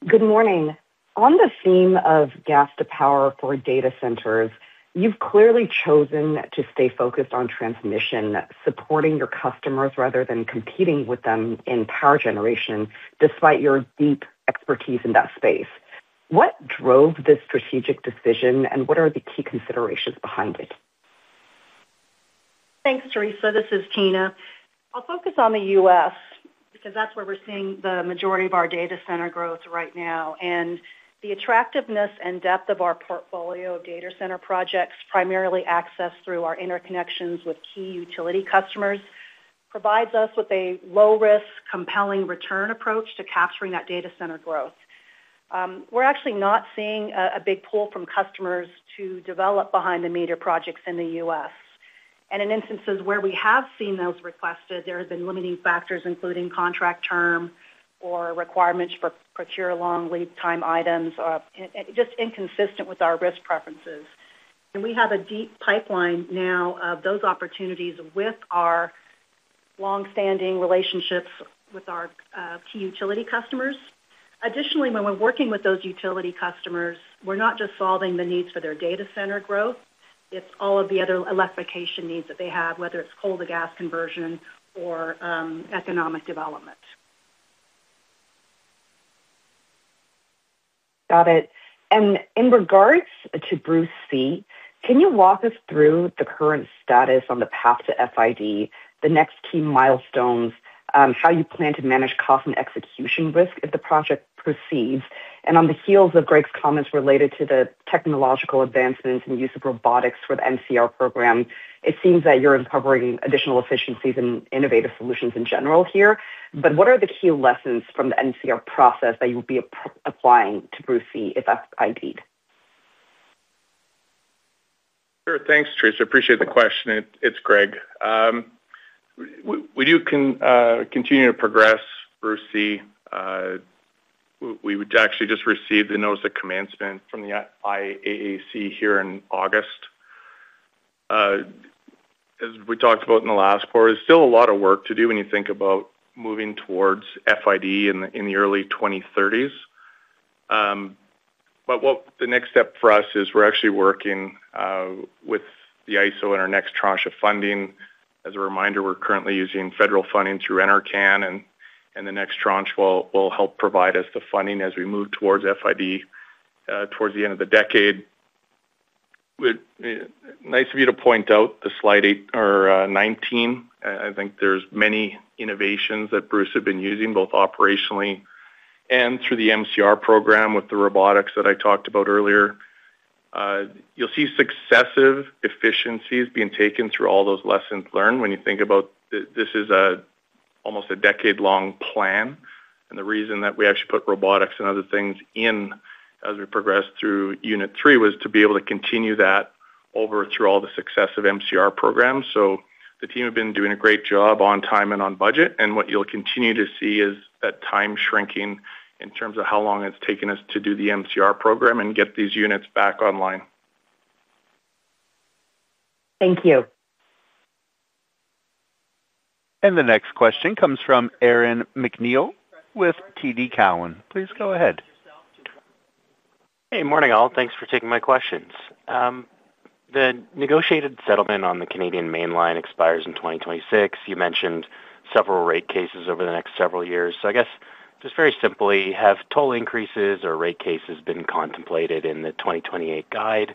Good morning. On the theme of gas to power for data centers, you've clearly chosen to stay focused on transmission, supporting your customers rather than competing with them in power generation, despite your deep expertise in that space. What drove this strategic decision, and what are the key considerations behind it? Thanks, Teresa. This is Tina. I'll focus on the U.S. because that's where we're seeing the majority of our data center growth right now. The attractiveness and depth of our portfolio of data center projects, primarily accessed through our interconnections with key utility customers, provides us with a low-risk, compelling return approach to capturing that data center growth. We're actually not seeing a big pull from customers to develop behind-the-meter projects in the U.S. In instances where we have seen those requested, there have been limiting factors, including contract term or requirements for procure-long lead time items, just inconsistent with our risk preferences. We have a deep pipeline now of those opportunities with our long-standing relationships with our key utility customers. Additionally, when we're working with those utility customers, we're not just solving the needs for their data center growth. It's all of the other electrification needs that they have, whether it's coal-to-gas conversion or economic development. Got it. In regards to Bruce C, can you walk us through the current status on the path to FID, the next key milestones, how you plan to manage cost and execution risk if the project proceeds? On the heels of Greg's comments related to the technological advancements and use of robotics for the MCR program, it seems that you're uncovering additional efficiencies and innovative solutions in general here. What are the key lessons from the MCR process that you would be applying to Bruce C if FID? Sure. Thanks, Teresa. Appreciate the question. It's Greg. We do continue to progress Bruce C. We actually just received the notice of commencement from the IAAC here in August. As we talked about in the last part, there's still a lot of work to do when you think about moving towards FID in the early 2030s. The next step for us is we're actually working with the ISO and our next tranche of funding. As a reminder, we're currently using federal funding through NRCAN, and the next tranche will help provide us the funding as we move towards FID towards the end of the decade. Nice of you to point out the slide 19. I think there's many innovations that Bruce has been using, both operationally and through the MCR program with the robotics that I talked about earlier. You'll see successive efficiencies being taken through all those lessons learned when you think about this is almost a decade-long plan. The reason that we actually put robotics and other things in as we progressed through unit three was to be able to continue that over through all the successive MCR programs. The team has been doing a great job on time and on budget. What you'll continue to see is that time shrinking in terms of how long it's taken us to do the MCR program and get these units back online. Thank you. The next question comes from Aaron McNeil with TD Cowen. Please go ahead. Hey, morning, all. Thanks for taking my questions. The negotiated settlement on the Canadian mainline expires in 2026. You mentioned several rate cases over the next several years. I guess, just very simply, have toll increases or rate cases been contemplated in the 2028 guide,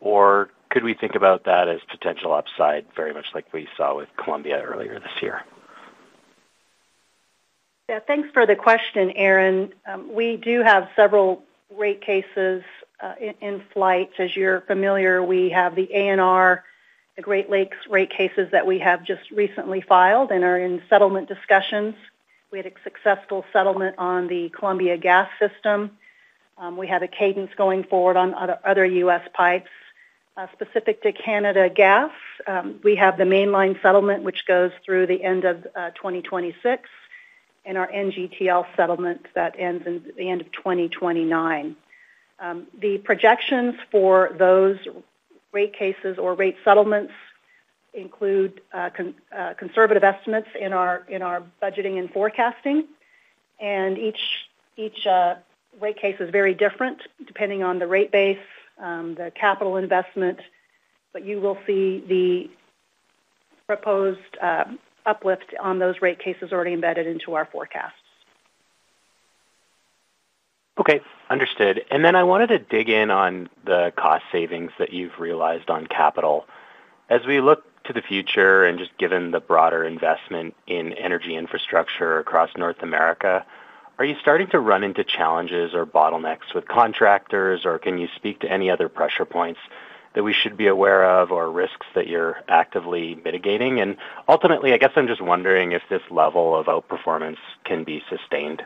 or could we think about that as potential upside, very much like we saw with Columbia earlier this year? Yeah, thanks for the question, Aaron. We do have several rate cases in flight. As you're familiar, we have the ANR, the Great Lakes rate cases that we have just recently filed and are in settlement discussions. We had a successful settlement on the Columbia Gas system. We have a cadence going forward on other U.S. pipes. Specific to Canada gas, we have the mainline settlement, which goes through the end of 2026. Our NGTL settlement ends at the end of 2029. The projections for those rate cases or rate settlements include conservative estimates in our budgeting and forecasting. Each rate case is very different depending on the rate base, the capital investment. You will see the proposed uplift on those rate cases already embedded into our forecasts. Okay. Understood. I wanted to dig in on the cost savings that you've realized on capital. As we look to the future and just given the broader investment in energy infrastructure across North America, are you starting to run into challenges or bottlenecks with contractors, or can you speak to any other pressure points that we should be aware of or risks that you're actively mitigating? Ultimately, I guess I'm just wondering if this level of outperformance can be sustained.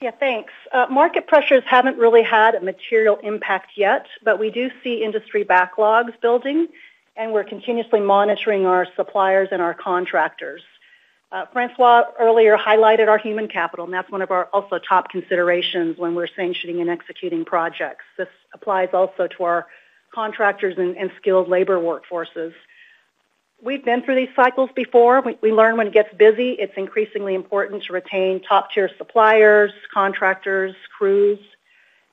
Yeah, thanks. Market pressures have not really had a material impact yet, but we do see industry backlogs building, and we are continuously monitoring our suppliers and our contractors. Francois earlier highlighted our human capital, and that is one of our also top considerations when we are sanctioning and executing projects. This applies also to our contractors and skilled labor workforces. We have been through these cycles before. We learn when it gets busy. It is increasingly important to retain top-tier suppliers, contractors,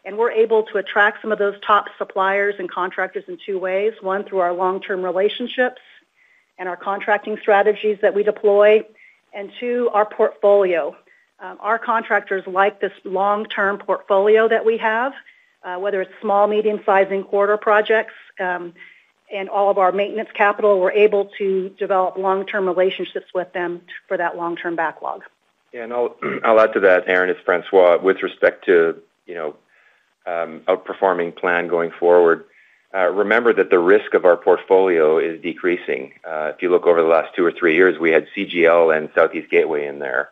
crews. We are able to attract some of those top suppliers and contractors in two ways. One, through our long-term relationships and our contracting strategies that we deploy. Two, our portfolio. Our contractors like this long-term portfolio that we have, whether it is small, medium-sized, and quarter projects. All of our maintenance capital, we are able to develop long-term relationships with them for that long-term backlog. Yeah. I'll add to that, Aaron, as Francois, with respect to outperforming plan going forward, remember that the risk of our portfolio is decreasing. If you look over the last two or three years, we had CGL and Southeast Gateway in there.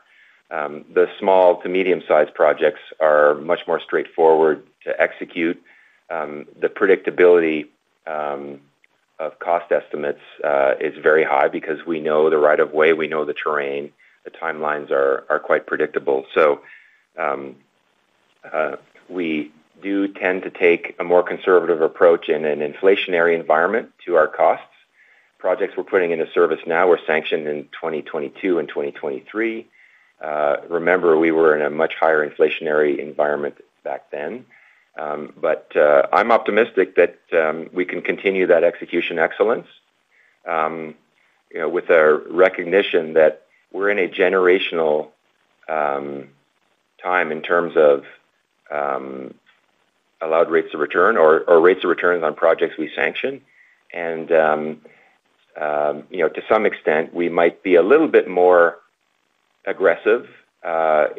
The small to medium-sized projects are much more straightforward to execute. The predictability of cost estimates is very high because we know the right of way. We know the terrain. The timelines are quite predictable. We do tend to take a more conservative approach in an inflationary environment to our costs. Projects we're putting into service now were sanctioned in 2022 and 2023. Remember, we were in a much higher inflationary environment back then. I'm optimistic that we can continue that execution excellence with a recognition that we're in a generational time in terms of. Allowed rates of return or rates of return on projects we sanction. To some extent, we might be a little bit more aggressive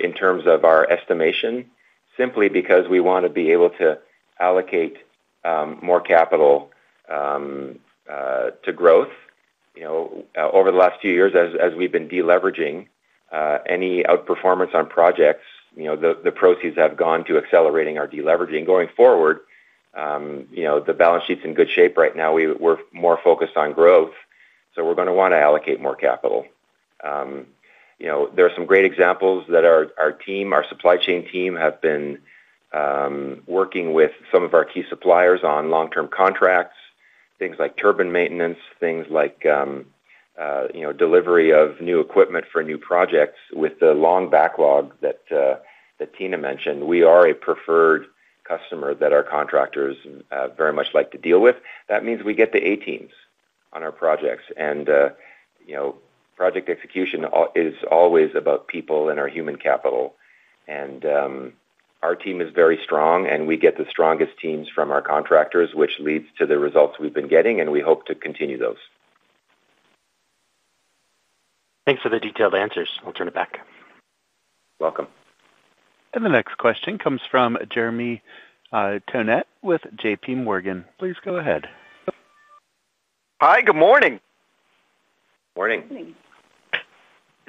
in terms of our estimation simply because we want to be able to allocate more capital to growth. Over the last few years, as we've been deleveraging, any outperformance on projects, the proceeds have gone to accelerating our deleveraging. Going forward, the balance sheet's in good shape right now. We're more focused on growth. We're going to want to allocate more capital. There are some great examples that our team, our supply chain team, have been working with some of our key suppliers on long-term contracts, things like turbine maintenance, things like delivery of new equipment for new projects. With the long backlog that Tina mentioned, we are a preferred customer that our contractors very much like to deal with. That means we get the A teams on our projects. Project execution is always about people and our human capital. Our team is very strong, and we get the strongest teams from our contractors, which leads to the results we've been getting, and we hope to continue those. Thanks for the detailed answers. I'll turn it back. Welcome. The next question comes from Jeremy Tonet with JPMorgan. Please go ahead. Hi. Good morning.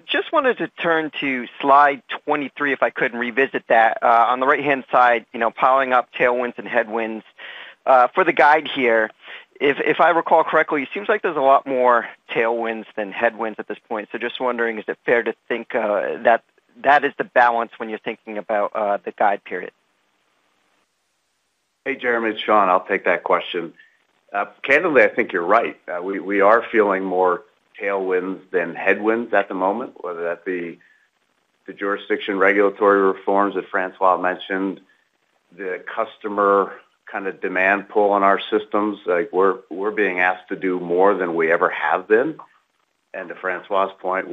Just wanted to turn to slide 23 if I could and revisit that. On the right-hand side, piling up tailwinds and headwinds. For the guide here, if I recall correctly, it seems like there's a lot more tailwinds than headwinds at this point. Just wondering, is it fair to think that that is the balance when you're thinking about the guide period? Hey, Jeremy. It's Sean. I'll take that question. Candidly, I think you're right. We are feeling more tailwinds than headwinds at the moment, whether that be the jurisdiction regulatory reforms that Francois mentioned, the customer kind of demand pull in our systems. We're being asked to do more than we ever have been. To Francois's point,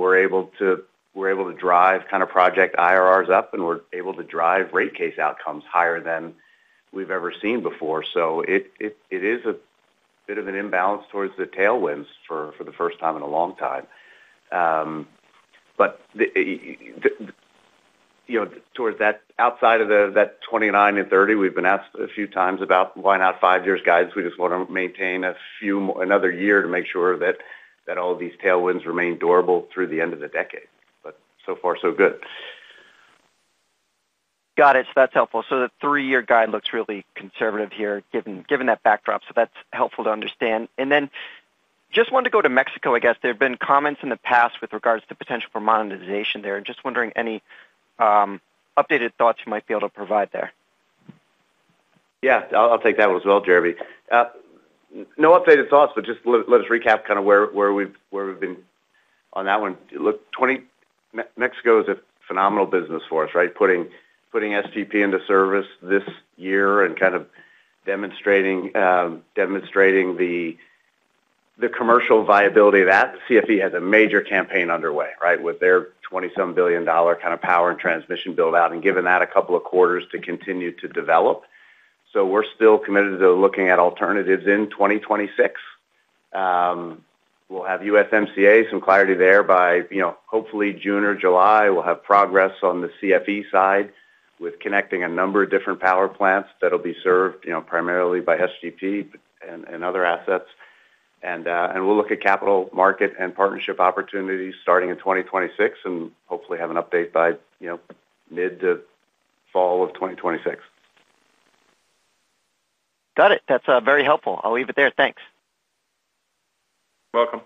we're able to drive kind of project IRRs up, and we're able to drive rate case outcomes higher than we've ever seen before. It is a bit of an imbalance towards the tailwinds for the first time in a long time. Towards that, outside of that 2029 and 2030, we've been asked a few times about why not five years' guidance. We just want to maintain another year to make sure that all of these tailwinds remain durable through the end of the decade. So far, so good. Got it. That is helpful. The three-year guide looks really conservative here, given that backdrop. That is helpful to understand. I just wanted to go to Mexico, I guess. There have been comments in the past with regards to potential for monetization there. I am just wondering any updated thoughts you might be able to provide there. Yeah. I'll take that one as well, Jeremy. No updated thoughts, but just let us recap kind of where we've been on that one. Mexico is a phenomenal business for us, right? Putting SGP into service this year and kind of demonstrating the commercial viability of that. CFE has a major campaign underway, right, with their $27 billion kind of power and transmission build-out and giving that a couple of quarters to continue to develop. We are still committed to looking at alternatives in 2026. We will have USMCA, some clarity there by hopefully June or July. We will have progress on the CFE side with connecting a number of different power plants that will be served primarily by SGP and other assets. We will look at capital market and partnership opportunities starting in 2026 and hopefully have an update by mid to fall of 2026. Got it. That's very helpful. I'll leave it there. Thanks. The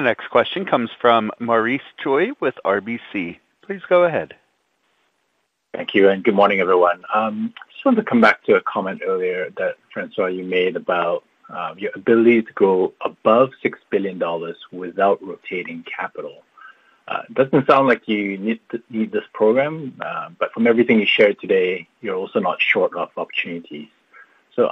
next question comes from Maurice Choy with RBC. Please go ahead. Thank you. Good morning, everyone. I just wanted to come back to a comment earlier that Francois, you made about your ability to go above $6 billion without rotating capital. It does not sound like you need this program, but from everything you shared today, you are also not short of opportunities.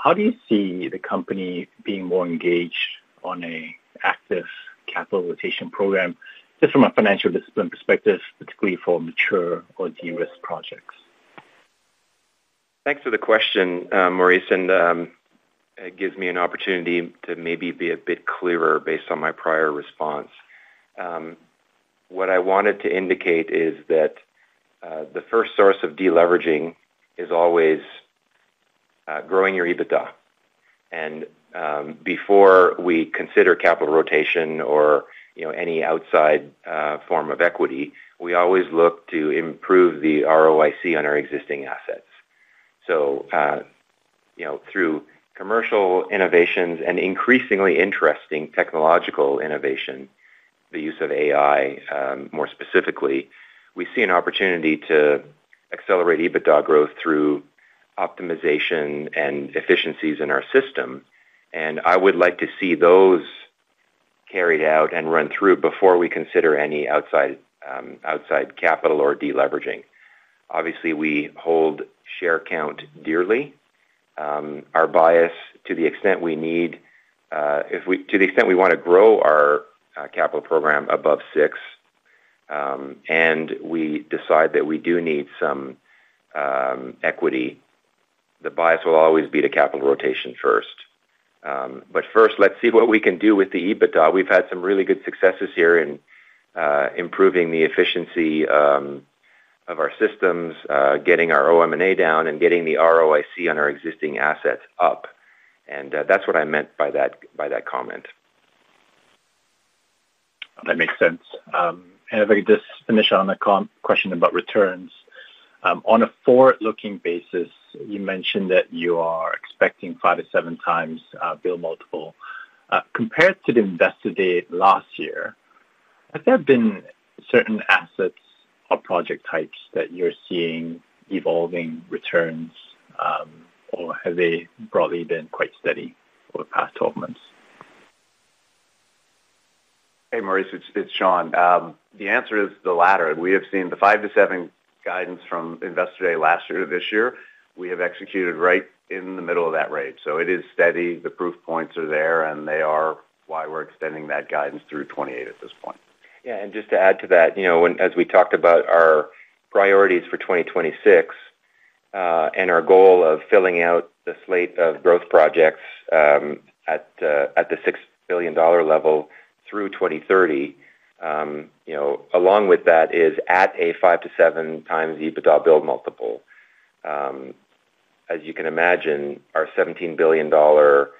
How do you see the company being more engaged on an active capital rotation program, just from a financial discipline perspective, particularly for mature or de-risk projects? Thanks for the question, Maurice. It gives me an opportunity to maybe be a bit clearer based on my prior response. What I wanted to indicate is that the first source of deleveraging is always growing your EBITDA. Before we consider capital rotation or any outside form of equity, we always look to improve the ROIC on our existing assets. Through commercial innovations and increasingly interesting technological innovation, the use of AI more specifically, we see an opportunity to accelerate EBITDA growth through optimization and efficiencies in our system. I would like to see those carried out and run through before we consider any outside capital or deleveraging. Obviously, we hold share count dearly. Our bias, to the extent we need, to the extent we want to grow our capital program above six, and we decide that we do need some. Equity, the bias will always be to capital rotation first. First, let's see what we can do with the EBITDA. We've had some really good successes here in improving the efficiency of our systems, getting our OM&A down, and getting the ROIC on our existing assets up. That's what I meant by that comment. That makes sense. If I could just finish on the question about returns. On a forward-looking basis, you mentioned that you are expecting a five to seven times bill multiple. Compared to the Investor Day last year, have there been certain assets or project types that you're seeing evolving returns, or have they broadly been quite steady over the past 12 months? Hey, Maurice, it's Sean. The answer is the latter. We have seen the 5%-7% guidance from investor day last year to this year. We have executed right in the middle of that rate. It is steady. The proof points are there, and they are why we're extending that guidance through 2028 at this point. Yeah. Just to add to that, as we talked about our priorities for 2026 and our goal of filling out the slate of growth projects at the $6 billion level through 2030. Along with that is at a 5x to 7x EBITDA build multiple. As you can imagine, our $17 billion BD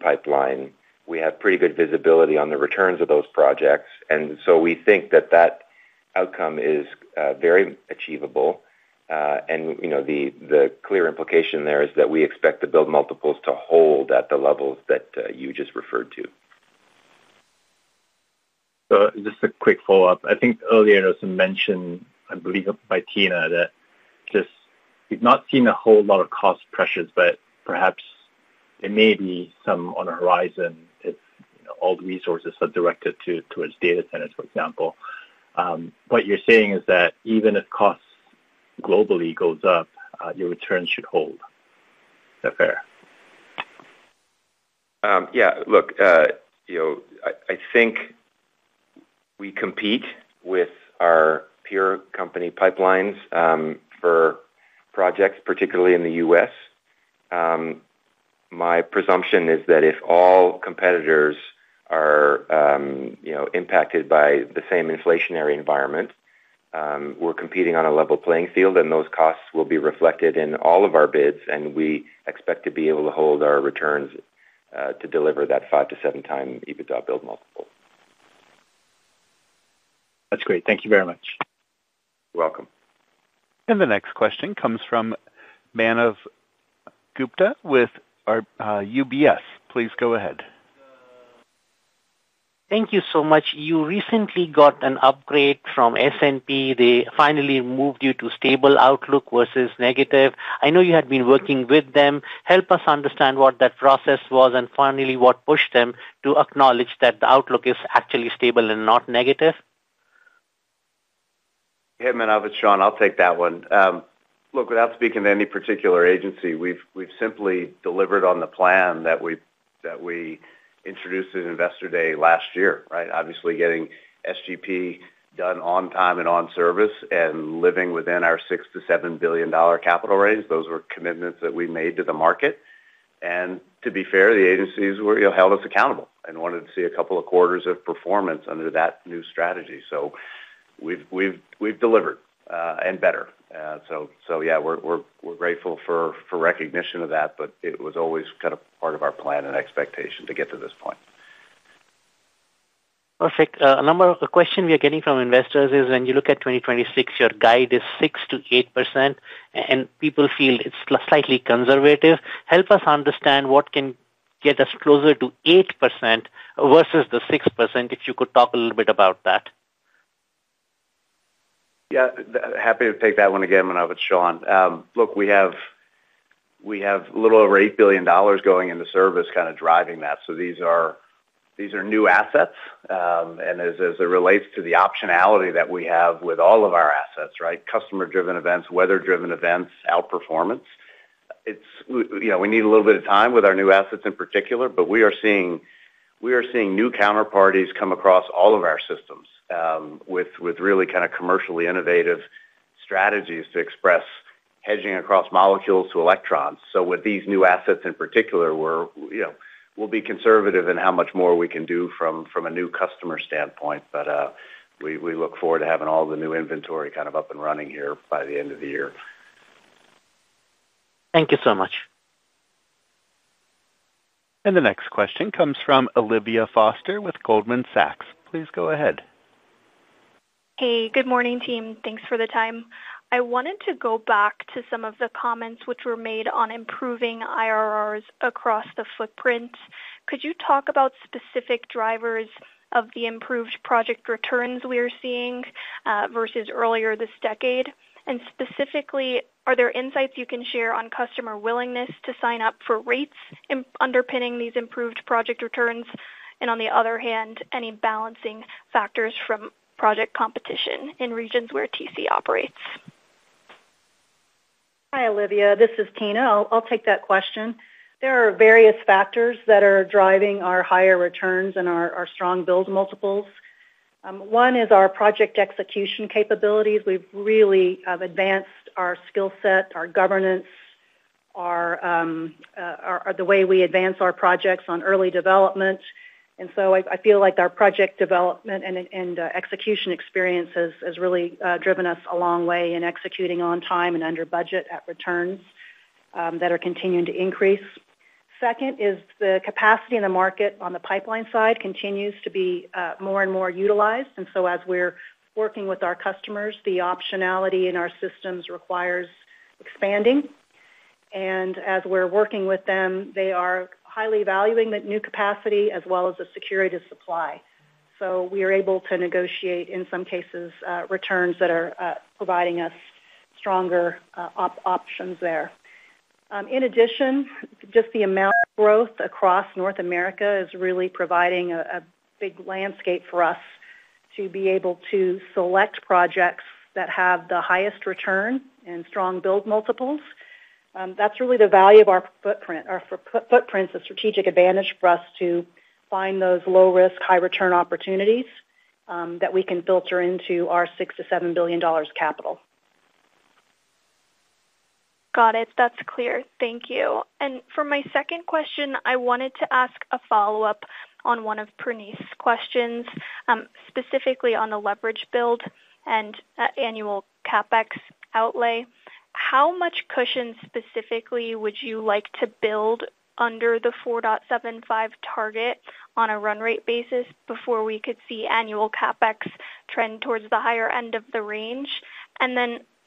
pipeline, we have pretty good visibility on the returns of those projects. We think that that outcome is very achievable. The clear implication there is that we expect the build multiples to hold at the levels that you just referred to. Just a quick follow-up. I think earlier there was a mention, I believe, by Tina that just we've not seen a whole lot of cost pressures, but perhaps there may be some on the horizon if all the resources are directed towards data centers, for example. What you're saying is that even if costs globally go up, your returns should hold. Is that fair? Yeah. Look. I think. We compete with our peer company pipelines for projects, particularly in the U.S. My presumption is that if all competitors are impacted by the same inflationary environment, we're competing on a level playing field, and those costs will be reflected in all of our bids. We expect to be able to hold our returns to deliver that five to seven time EBITDA build multiple. That's great. Thank you very much. You're welcome. The next question comes from Manav Gupta with UBS. Please go ahead. Thank you so much. You recently got an upgrade from S&P. They finally moved you to stable outlook versus negative. I know you had been working with them. Help us understand what that process was and finally what pushed them to acknowledge that the outlook is actually stable and not negative. Hey, Manav and Sean, I'll take that one. Look, without speaking to any particular agency, we've simply delivered on the plan that we introduced at investor day last year, right? Obviously, getting SGP done on time and on service and living within our $6 billion-$7 billion capital range, those were commitments that we made to the market. To be fair, the agencies held us accountable and wanted to see a couple of quarters of performance under that new strategy. We've delivered and better. Yeah, we're grateful for recognition of that, but it was always kind of part of our plan and expectation to get to this point. Perfect. A number of the questions we are getting from investors is when you look at 2026, your guide is 6%-8%, and people feel it's slightly conservative. Help us understand what can get us closer to 8% versus the 6% if you could talk a little bit about that. Yeah. Happy to take that one again, Manav and Sean. Look, we have a little over $8 billion going into service kind of driving that. These are new assets. As it relates to the optionality that we have with all of our assets, right? Customer-driven events, weather-driven events, outperformance. We need a little bit of time with our new assets in particular, but we are seeing new counterparties come across all of our systems with really kind of commercially innovative strategies to express hedging across molecules to electrons. With these new assets in particular, we'll be conservative in how much more we can do from a new customer standpoint. We look forward to having all the new inventory kind of up and running here by the end of the year. Thank you so much. The next question comes from Olivia Halferty Foster with Goldman Sachs. Please go ahead. Hey, good morning, team. Thanks for the time. I wanted to go back to some of the comments which were made on improving IRRs across the footprint. Could you talk about specific drivers of the improved project returns we are seeing versus earlier this decade? Could you share any insights on customer willingness to sign up for rates underpinning these improved project returns? On the other hand, are there any balancing factors from project competition in regions where TC Energy operates? Hi, Olivia. This is Tina. I'll take that question. There are various factors that are driving our higher returns and our strong build multiples. One is our project execution capabilities. We've really advanced our skill set, our governance. The way we advance our projects on early development. I feel like our project development and execution experience has really driven us a long way in executing on time and under budget at returns that are continuing to increase. Second is the capacity in the market on the pipeline side continues to be more and more utilized. As we're working with our customers, the optionality in our systems requires expanding. As we're working with them, they are highly valuing the new capacity as well as the security to supply. We are able to negotiate, in some cases, returns that are providing us stronger options there. In addition, just the amount of growth across North America is really providing a big landscape for us to be able to select projects that have the highest return and strong build multiples. That is really the value of our footprint, the strategic advantage for us to find those low-risk, high-return opportunities that we can filter into our $6 billion-$7 billion capital. Got it. That's clear. Thank you. For my second question, I wanted to ask a follow-up on one of Praneeth's questions, specifically on the leverage build and annual CapEx outlay. How much cushion specifically would you like to build under the 4.75 target on a run rate basis before we could see annual CapEx trend towards the higher end of the range?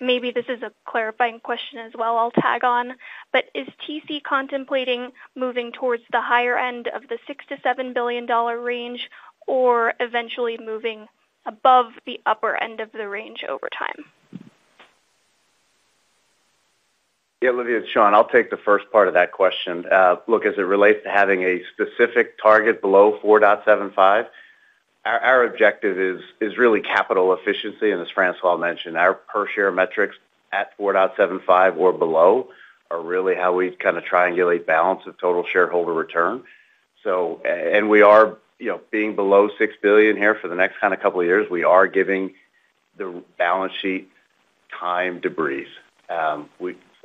Maybe this is a clarifying question as well I'll tag on, but is TC Energy contemplating moving towards the higher end of the $6 billion-$7 billion range or eventually moving above the upper end of the range over time? Yeah, Olivia and Sean, I'll take the first part of that question. Look, as it relates to having a specific target below 4.75. Our objective is really capital efficiency. As Francois mentioned, our per-share metrics at 4.75 or below are really how we kind of triangulate balance of total shareholder return. We are being below $6 billion here for the next kind of couple of years. We are giving the balance sheet time to breathe.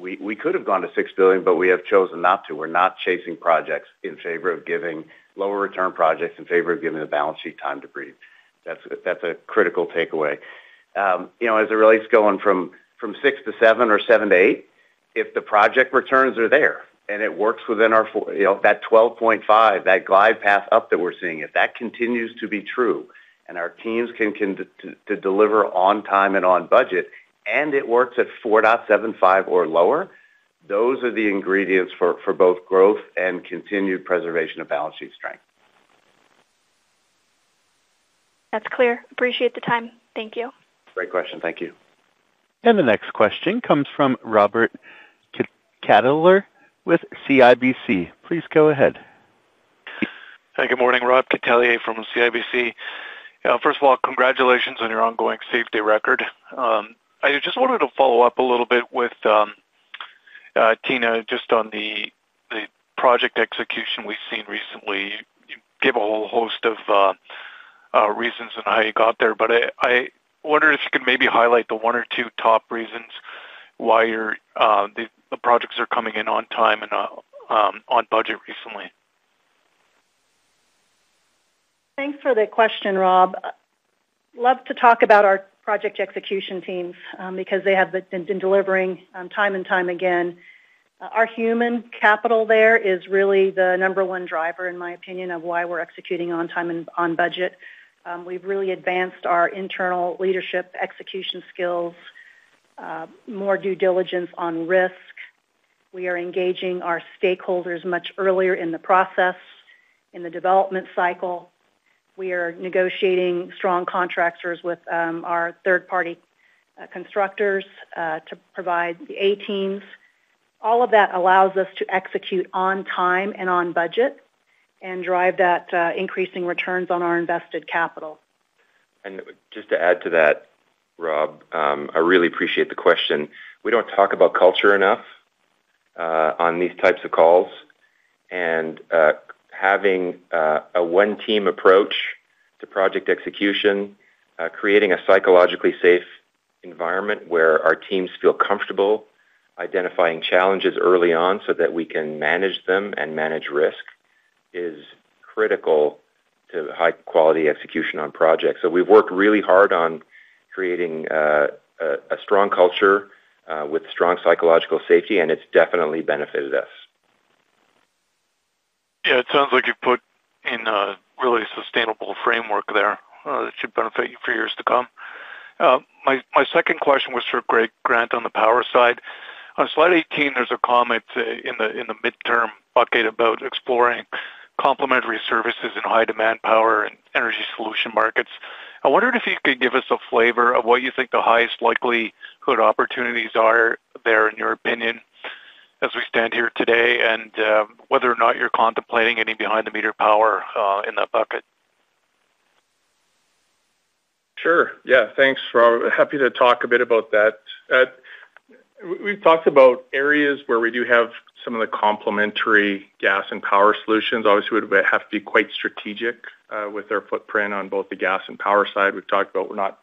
We could have gone to $6 billion, but we have chosen not to. We're not chasing projects in favor of giving lower return projects in favor of giving the balance sheet time to breathe. That's a critical takeaway. As it relates to going from six to seven or seven to eight, if the project returns are there and it works within that 12.5, that glide path up that we're seeing, if that continues to be true and our teams can deliver on time and on budget, and it works at 4.75 or lower, those are the ingredients for both growth and continued preservation of balance sheet strength. That's clear. Appreciate the time. Thank you. Great question. Thank you. The next question comes from Robert Catellier with CIBC. Please go ahead. Hey, good morning, Rob Catellier from CIBC. First of all, congratulations on your ongoing safety record. I just wanted to follow up a little bit with Tina just on the project execution we've seen recently. You gave a whole host of reasons on how you got there, but I wondered if you could maybe highlight the one or two top reasons why the projects are coming in on time and on budget recently. Thanks for the question, Rob. I'd love to talk about our project execution teams because they have been delivering time and time again. Our human capital there is really the number one driver, in my opinion, of why we're executing on time and on budget. We've really advanced our internal leadership execution skills. More due diligence on risk. We are engaging our stakeholders much earlier in the process. In the development cycle. We are negotiating strong contractors with our third-party constructors to provide the A teams. All of that allows us to execute on time and on budget and drive that increasing returns on our invested capital. Just to add to that. Rob, I really appreciate the question. We do not talk about culture enough on these types of calls. Having a one-team approach to project execution, creating a psychologically safe environment where our teams feel comfortable identifying challenges early on so that we can manage them and manage risk is critical to high-quality execution on projects. We have worked really hard on creating a strong culture with strong psychological safety, and it has definitely benefited us. Yeah, it sounds like you've put in a really sustainable framework there that should benefit you for years to come. My second question was for Greg Grant on the power side. On slide 18, there's a comment in the midterm bucket about exploring complementary services in high-demand power and energy solution markets. I wondered if you could give us a flavor of what you think the highest likelihood opportunities are there in your opinion as we stand here today and whether or not you're contemplating any behind-the-meter power in that bucket. Sure. Yeah. Thanks, Rob. Happy to talk a bit about that. We've talked about areas where we do have some of the complementary gas and power solutions. Obviously, we have to be quite strategic with our footprint on both the gas and power side. We've talked about we're not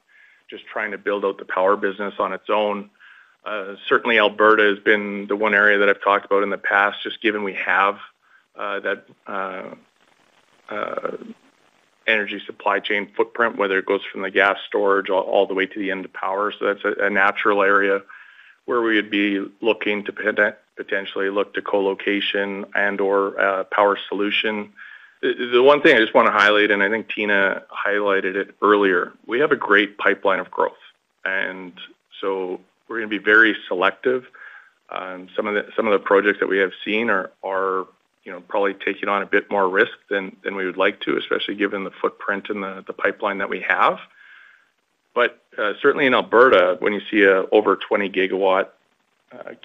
just trying to build out the power business on its own. Certainly, Alberta has been the one area that I've talked about in the past, just given we have that energy supply chain footprint, whether it goes from the gas storage all the way to the end of power. That is a natural area where we would be looking to potentially look to colocation and/or power solution. The one thing I just want to highlight, and I think Tina highlighted it earlier, we have a great pipeline of growth. We are going to be very selective. Some of the projects that we have seen are probably taking on a bit more risk than we would like to, especially given the footprint and the pipeline that we have. Certainly in Alberta, when you see an over 20 GW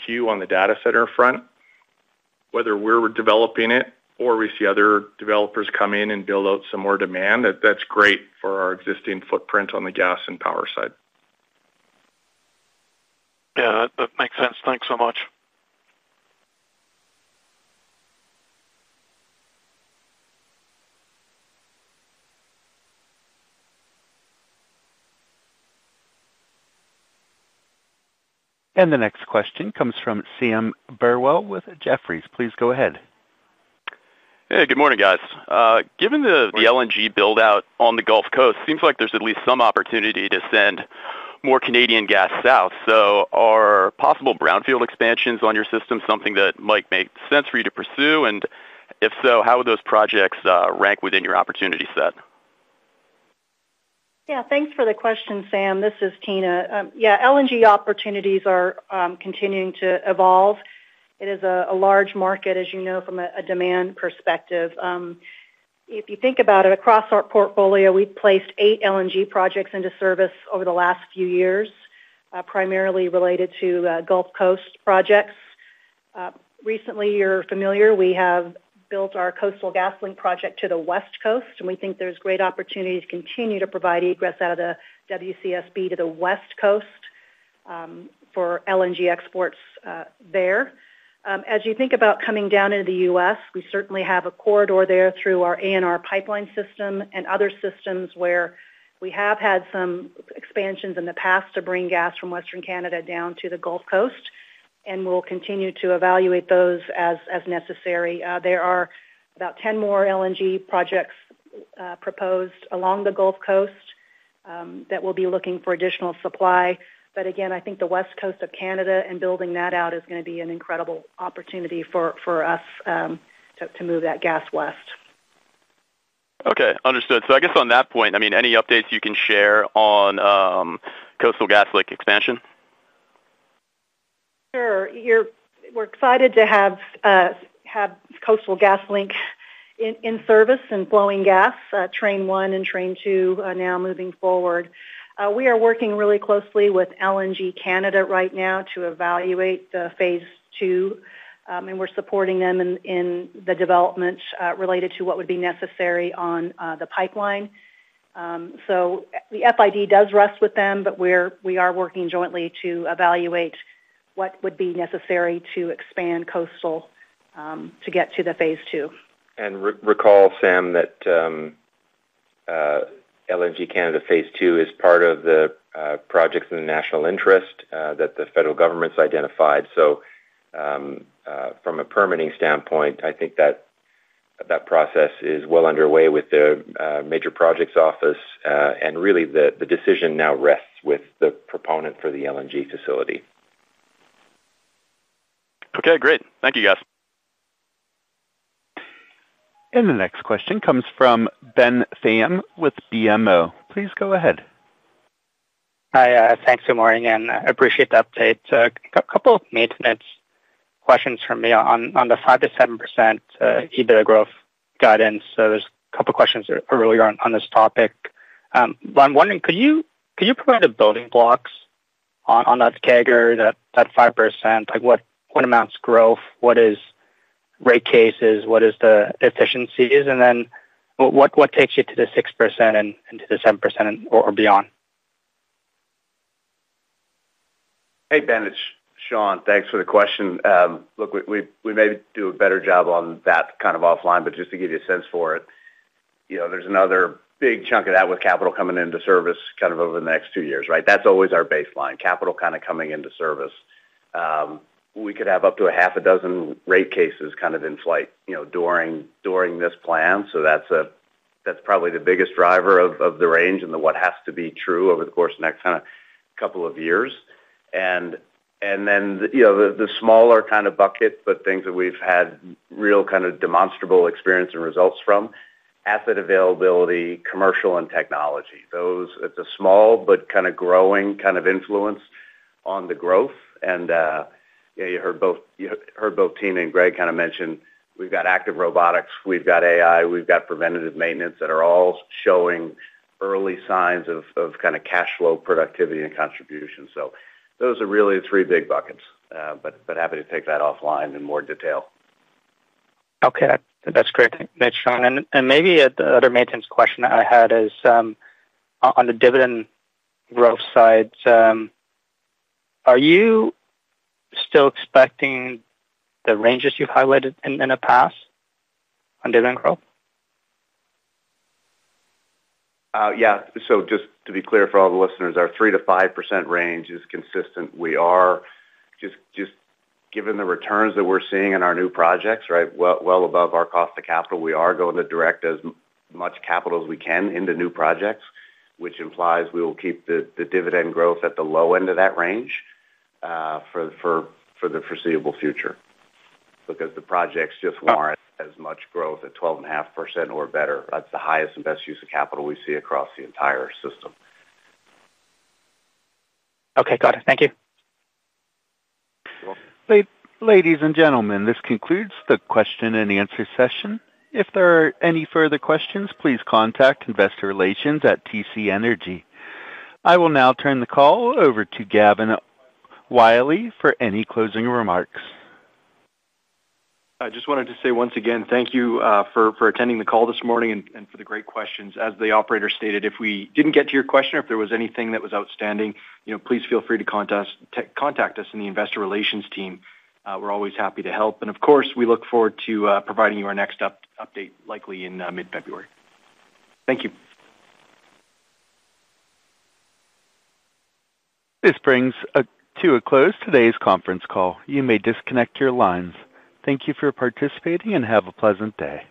queue on the data center front. Whether we're developing it or we see other developers come in and build out some more demand, that's great for our existing footprint on the gas and power side. Yeah, that makes sense. Thanks so much. The next question comes from Sam Burwell with Jefferies. Please go ahead. Hey, good morning, guys. Given the LNG buildout on the Gulf Coast, it seems like there's at least some opportunity to send more Canadian gas south. Are possible brownfield expansions on your system something that might make sense for you to pursue? If so, how would those projects rank within your opportunity set? Yeah, thanks for the question, Sam. This is Tina. Yeah, LNG opportunities are continuing to evolve. It is a large market, as you know, from a demand perspective. If you think about it, across our portfolio, we have placed eight LNG projects into service over the last few years, primarily related to Gulf Coast projects. Recently, you are familiar, we have built our Coastal GasLink project to the West Coast, and we think there is great opportunity to continue to provide egress out of the WCSB to the West Coast for LNG exports there. As you think about coming down into the U.S., we certainly have a corridor there through our ANR Pipeline system and other systems where we have had some expansions in the past to bring gas from Western Canada down to the Gulf Coast. We will continue to evaluate those as necessary. There are about 10 more LNG projects proposed along the Gulf Coast that will be looking for additional supply. Again, I think the West Coast of Canada and building that out is going to be an incredible opportunity for us to move that gas west. Okay. Understood. I guess on that point, I mean, any updates you can share on Coastal GasLink expansion? Sure. We're excited to have Coastal GasLink in service and flowing gas, train one and train two now moving forward. We are working really closely with LNG Canada right now to evaluate the Phase 2. We are supporting them in the development related to what would be necessary on the pipeline. The FID does rest with them, but we are working jointly to evaluate what would be necessary to expand Coastal to get to the Phase 2. Recall, Sam, that LNG Canada Phase 2 is part of the projects in the national interest that the federal government has identified. From a permitting standpoint, I think that process is well underway with the major projects office. Really, the decision now rests with the proponent for the LNG facility. Okay. Great. Thank you, guys. The next question comes from Ben Pham with BMO. Please go ahead. Hi. Thanks for the morning. I appreciate the update. A couple of maintenance questions from me on the 5%-7% EBITDA growth guidance. There were a couple of questions earlier on this topic. I'm wondering, could you provide the building blocks on that CAGR, that 5%? What amounts to growth? What is rate cases? What is the efficiencies? What takes you to the 6% and to the 7% or beyond? Hey, Ben Sean, thanks for the question. Look, we may do a better job on that kind of offline, but just to give you a sense for it. There is another big chunk of that with capital coming into service kind of over the next two years, right? That is always our baseline. Capital kind of coming into service. We could have up to half a dozen rate cases kind of in flight during this plan. That is probably the biggest driver of the range and what has to be true over the course of the next kind of couple of years. The smaller kind of bucket, but things that we have had real kind of demonstrable experience and results from, asset availability, commercial, and technology. It is a small but kind of growing kind of influence on the growth. You heard both Tina and Greg kind of mention, we've got active robotics, we've got AI, we've got preventative maintenance that are all showing early signs of kind of cash flow productivity and contribution. Those are really three big buckets, but happy to take that offline in more detail. Okay. That's great. Thanks, Sean. Maybe the other maintenance question I had is, on the dividend growth side, are you still expecting the ranges you've highlighted in the past on dividend growth? Yeah. Just to be clear for all the listeners, our 3%-5% range is consistent. We are, just given the returns that we're seeing in our new projects, right, well above our cost of capital, we are going to direct as much capital as we can into new projects, which implies we will keep the dividend growth at the low end of that range for the foreseeable future. Because the projects just warrant as much growth at 12.5% or better. That's the highest and best use of capital we see across the entire system. Okay. Got it. Thank you. Ladies and gentlemen, this concludes the question and answer session. If there are any further questions, please contact Investor Relations at TC Energy. I will now turn the call over to Gavin Wylie for any closing remarks. I just wanted to say once again, thank you for attending the call this morning and for the great questions. As the operator stated, if we did not get to your question or if there was anything that was outstanding, please feel free to contact us in the Investor Relations team. We are always happy to help. Of course, we look forward to providing you our next update, likely in mid-February. Thank you. This brings to a close today's conference call. You may disconnect your lines. Thank you for participating and have a pleasant day.